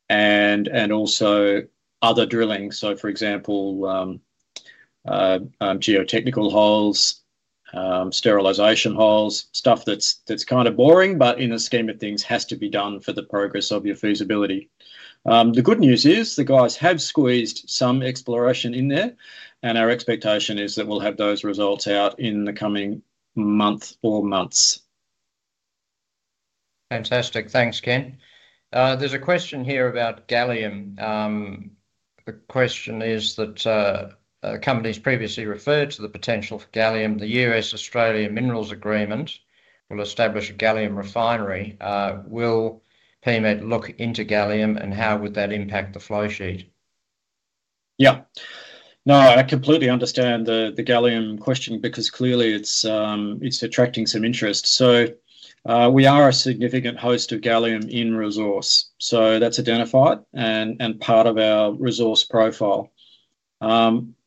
and also other drilling, for example, geotechnical holes, sterilization holes, stuff that's kind of boring, but in the scheme of things has to be done for the progress of your feasibility. The good news is the guys have squeezed some exploration in there, and our expectation is that we'll have those results out in the coming month or months. Fantastic. Thanks, Ken. There's a question here about gallium. The question is that companies previously referred to the potential for gallium. The U.S.-Australia Minerals Agreement will establish a gallium refinery. Will PMET look into gallium and how would that impact the flow sheet? Yeah. No, I completely understand the gallium question because clearly it's attracting some interest. We are a significant host of gallium in resource. That's identified and part of our resource profile.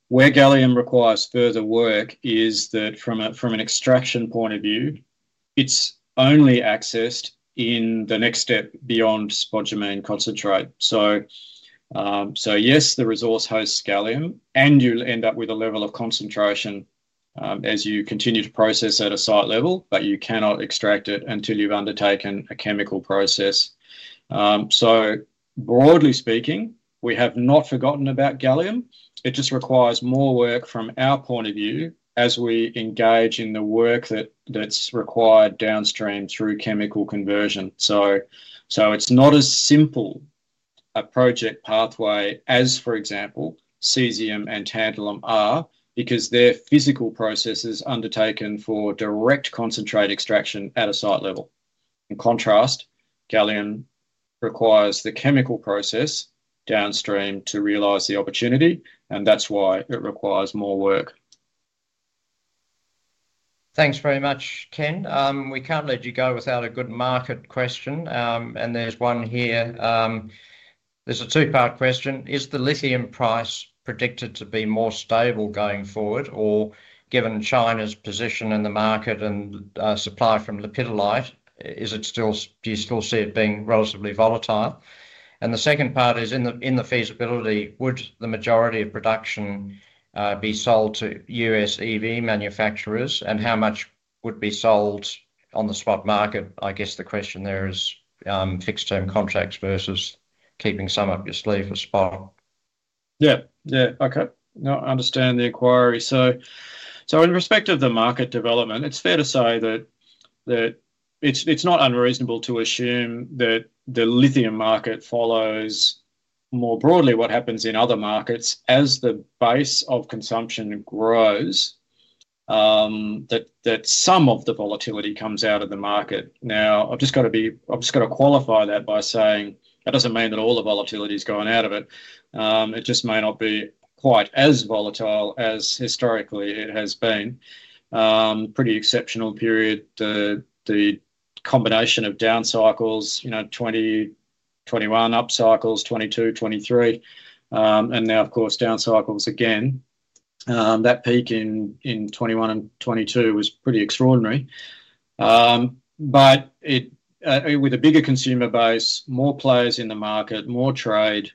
Where gallium requires further work is that from an extraction point of view, it's only accessed in the next step beyond spodumene concentrate. Yes, the resource hosts gallium and you'll end up with a level of concentration as you continue to process at a site level, but you cannot extract it until you've undertaken a chemical process. Broadly speaking, we have not forgotten about gallium. It just requires more work from our point of view as we engage in the work that's required downstream through chemical conversion. It's not as simple a project pathway as, for example, caesium and tantalum are because their physical process is undertaken for direct concentrate extraction at a site level. In contrast, gallium requires the chemical process downstream to realize the opportunity, and that's why it requires more work. Thanks very much, Ken. We can't let you go without a good market question. There's one here. There's a two-part question. Is the lithium price predicted to be more stable going forward, or given China's position in the market and supply from lepidolite, do you still see it being relatively volatile? The second part is, in the feasibility, would the majority of production be sold to U.S. EV manufacturers, and how much would be sold on the spot market? I guess the question there is, fixed-term contracts versus keeping some up your sleeve for spot? Okay. I understand the inquiry. In respect of the market development, it's fair to say that it's not unreasonable to assume that the lithium market follows more broadly what happens in other markets as the base of consumption grows, that some of the volatility comes out of the market. I've just got to qualify that by saying that doesn't mean that all the volatility is going out of it. It just may not be quite as volatile as historically it has been. Pretty exceptional period. The combination of down cycles, you know, 2021 up cycles, 2022, 2023, and now, of course, down cycles again. That peak in 2021 and 2022 was pretty extraordinary. With a bigger consumer base, more players in the market, more trade,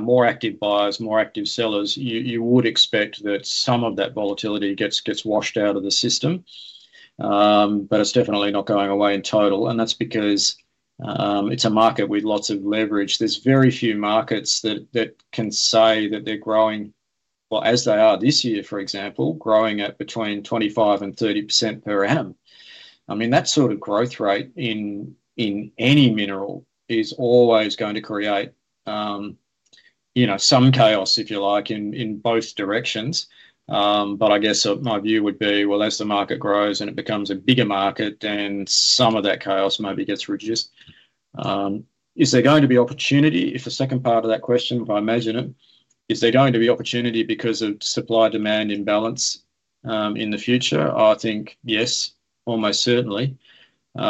more active buyers, more active sellers, you would expect that some of that volatility gets washed out of the system. It's definitely not going away in total. That's because it's a market with lots of leverage. There are very few markets that can say that they're growing, as they are this year, for example, growing at between 25% and 30% per annum. That sort of growth rate in any mineral is always going to create some chaos, if you like, in both directions. I guess my view would be as the market grows and it becomes a bigger market, then some of that chaos maybe gets reduced. Is there going to be opportunity? If the second part of that question, if I imagine it, is there going to be opportunity because of supply-demand imbalance in the future? I think yes, almost certainly. We'd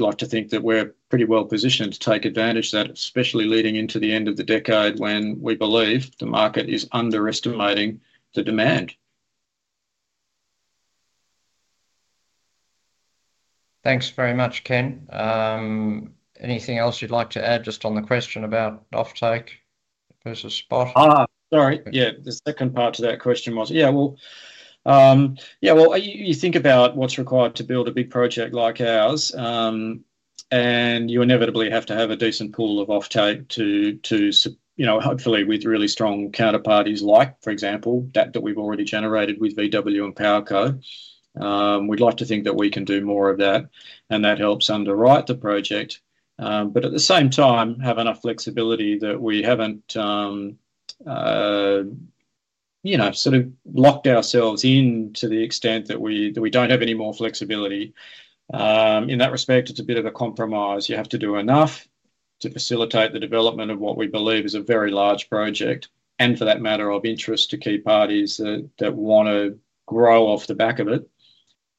like to think that we're pretty well positioned to take advantage of that, especially leading into the end of the decade when we believe the market is underestimating the demand. Thanks very much, Ken. Anything else you'd like to add just on the question about offtake versus spot? Sorry. The second part to that question was, you think about what's required to build a big project like ours, and you inevitably have to have a decent pool of offtake to, you know, hopefully with really strong counterparties like, for example, that we've already generated with VW and PowerCo. We'd like to think that we can do more of that, and that helps underwrite the project, but at the same time, have enough flexibility that we haven't, you know, sort of locked ourselves in to the extent that we don't have any more flexibility. In that respect, it's a bit of a compromise. You have to do enough to facilitate the development of what we believe is a very large project and, for that matter, of interest to key parties that want to grow off the back of it,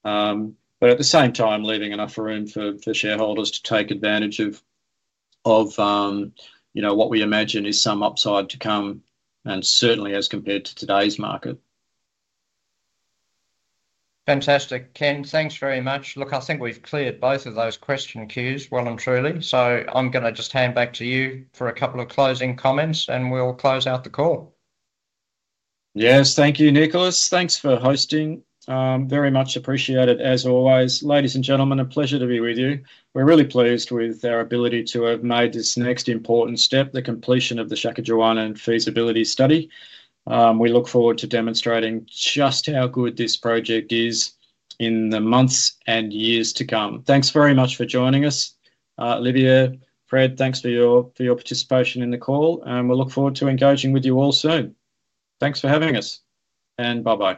but at the same time, leaving enough room for shareholders to take advantage of, you know, what we imagine is some upside to come and certainly as compared to today's market. Fantastic, Ken. Thanks very much. I think we've cleared both of those question queues well and truly. I'm going to just hand back to you for a couple of closing comments, and we'll close out the call. Yes. Thank you, Nicholas. Thanks for hosting. Very much appreciated, as always. Ladies and gentlemen, a pleasure to be with you. We're really pleased with our ability to have made this next important step, the completion of the Shaakichiuwaanaan feasibility study. We look forward to demonstrating just how good this project is in the months and years to come. Thanks very much for joining us. Olivia, Fréd, thanks for your participation in the call, and we'll look forward to engaging with you all soon. Thanks for having us, and bye-bye.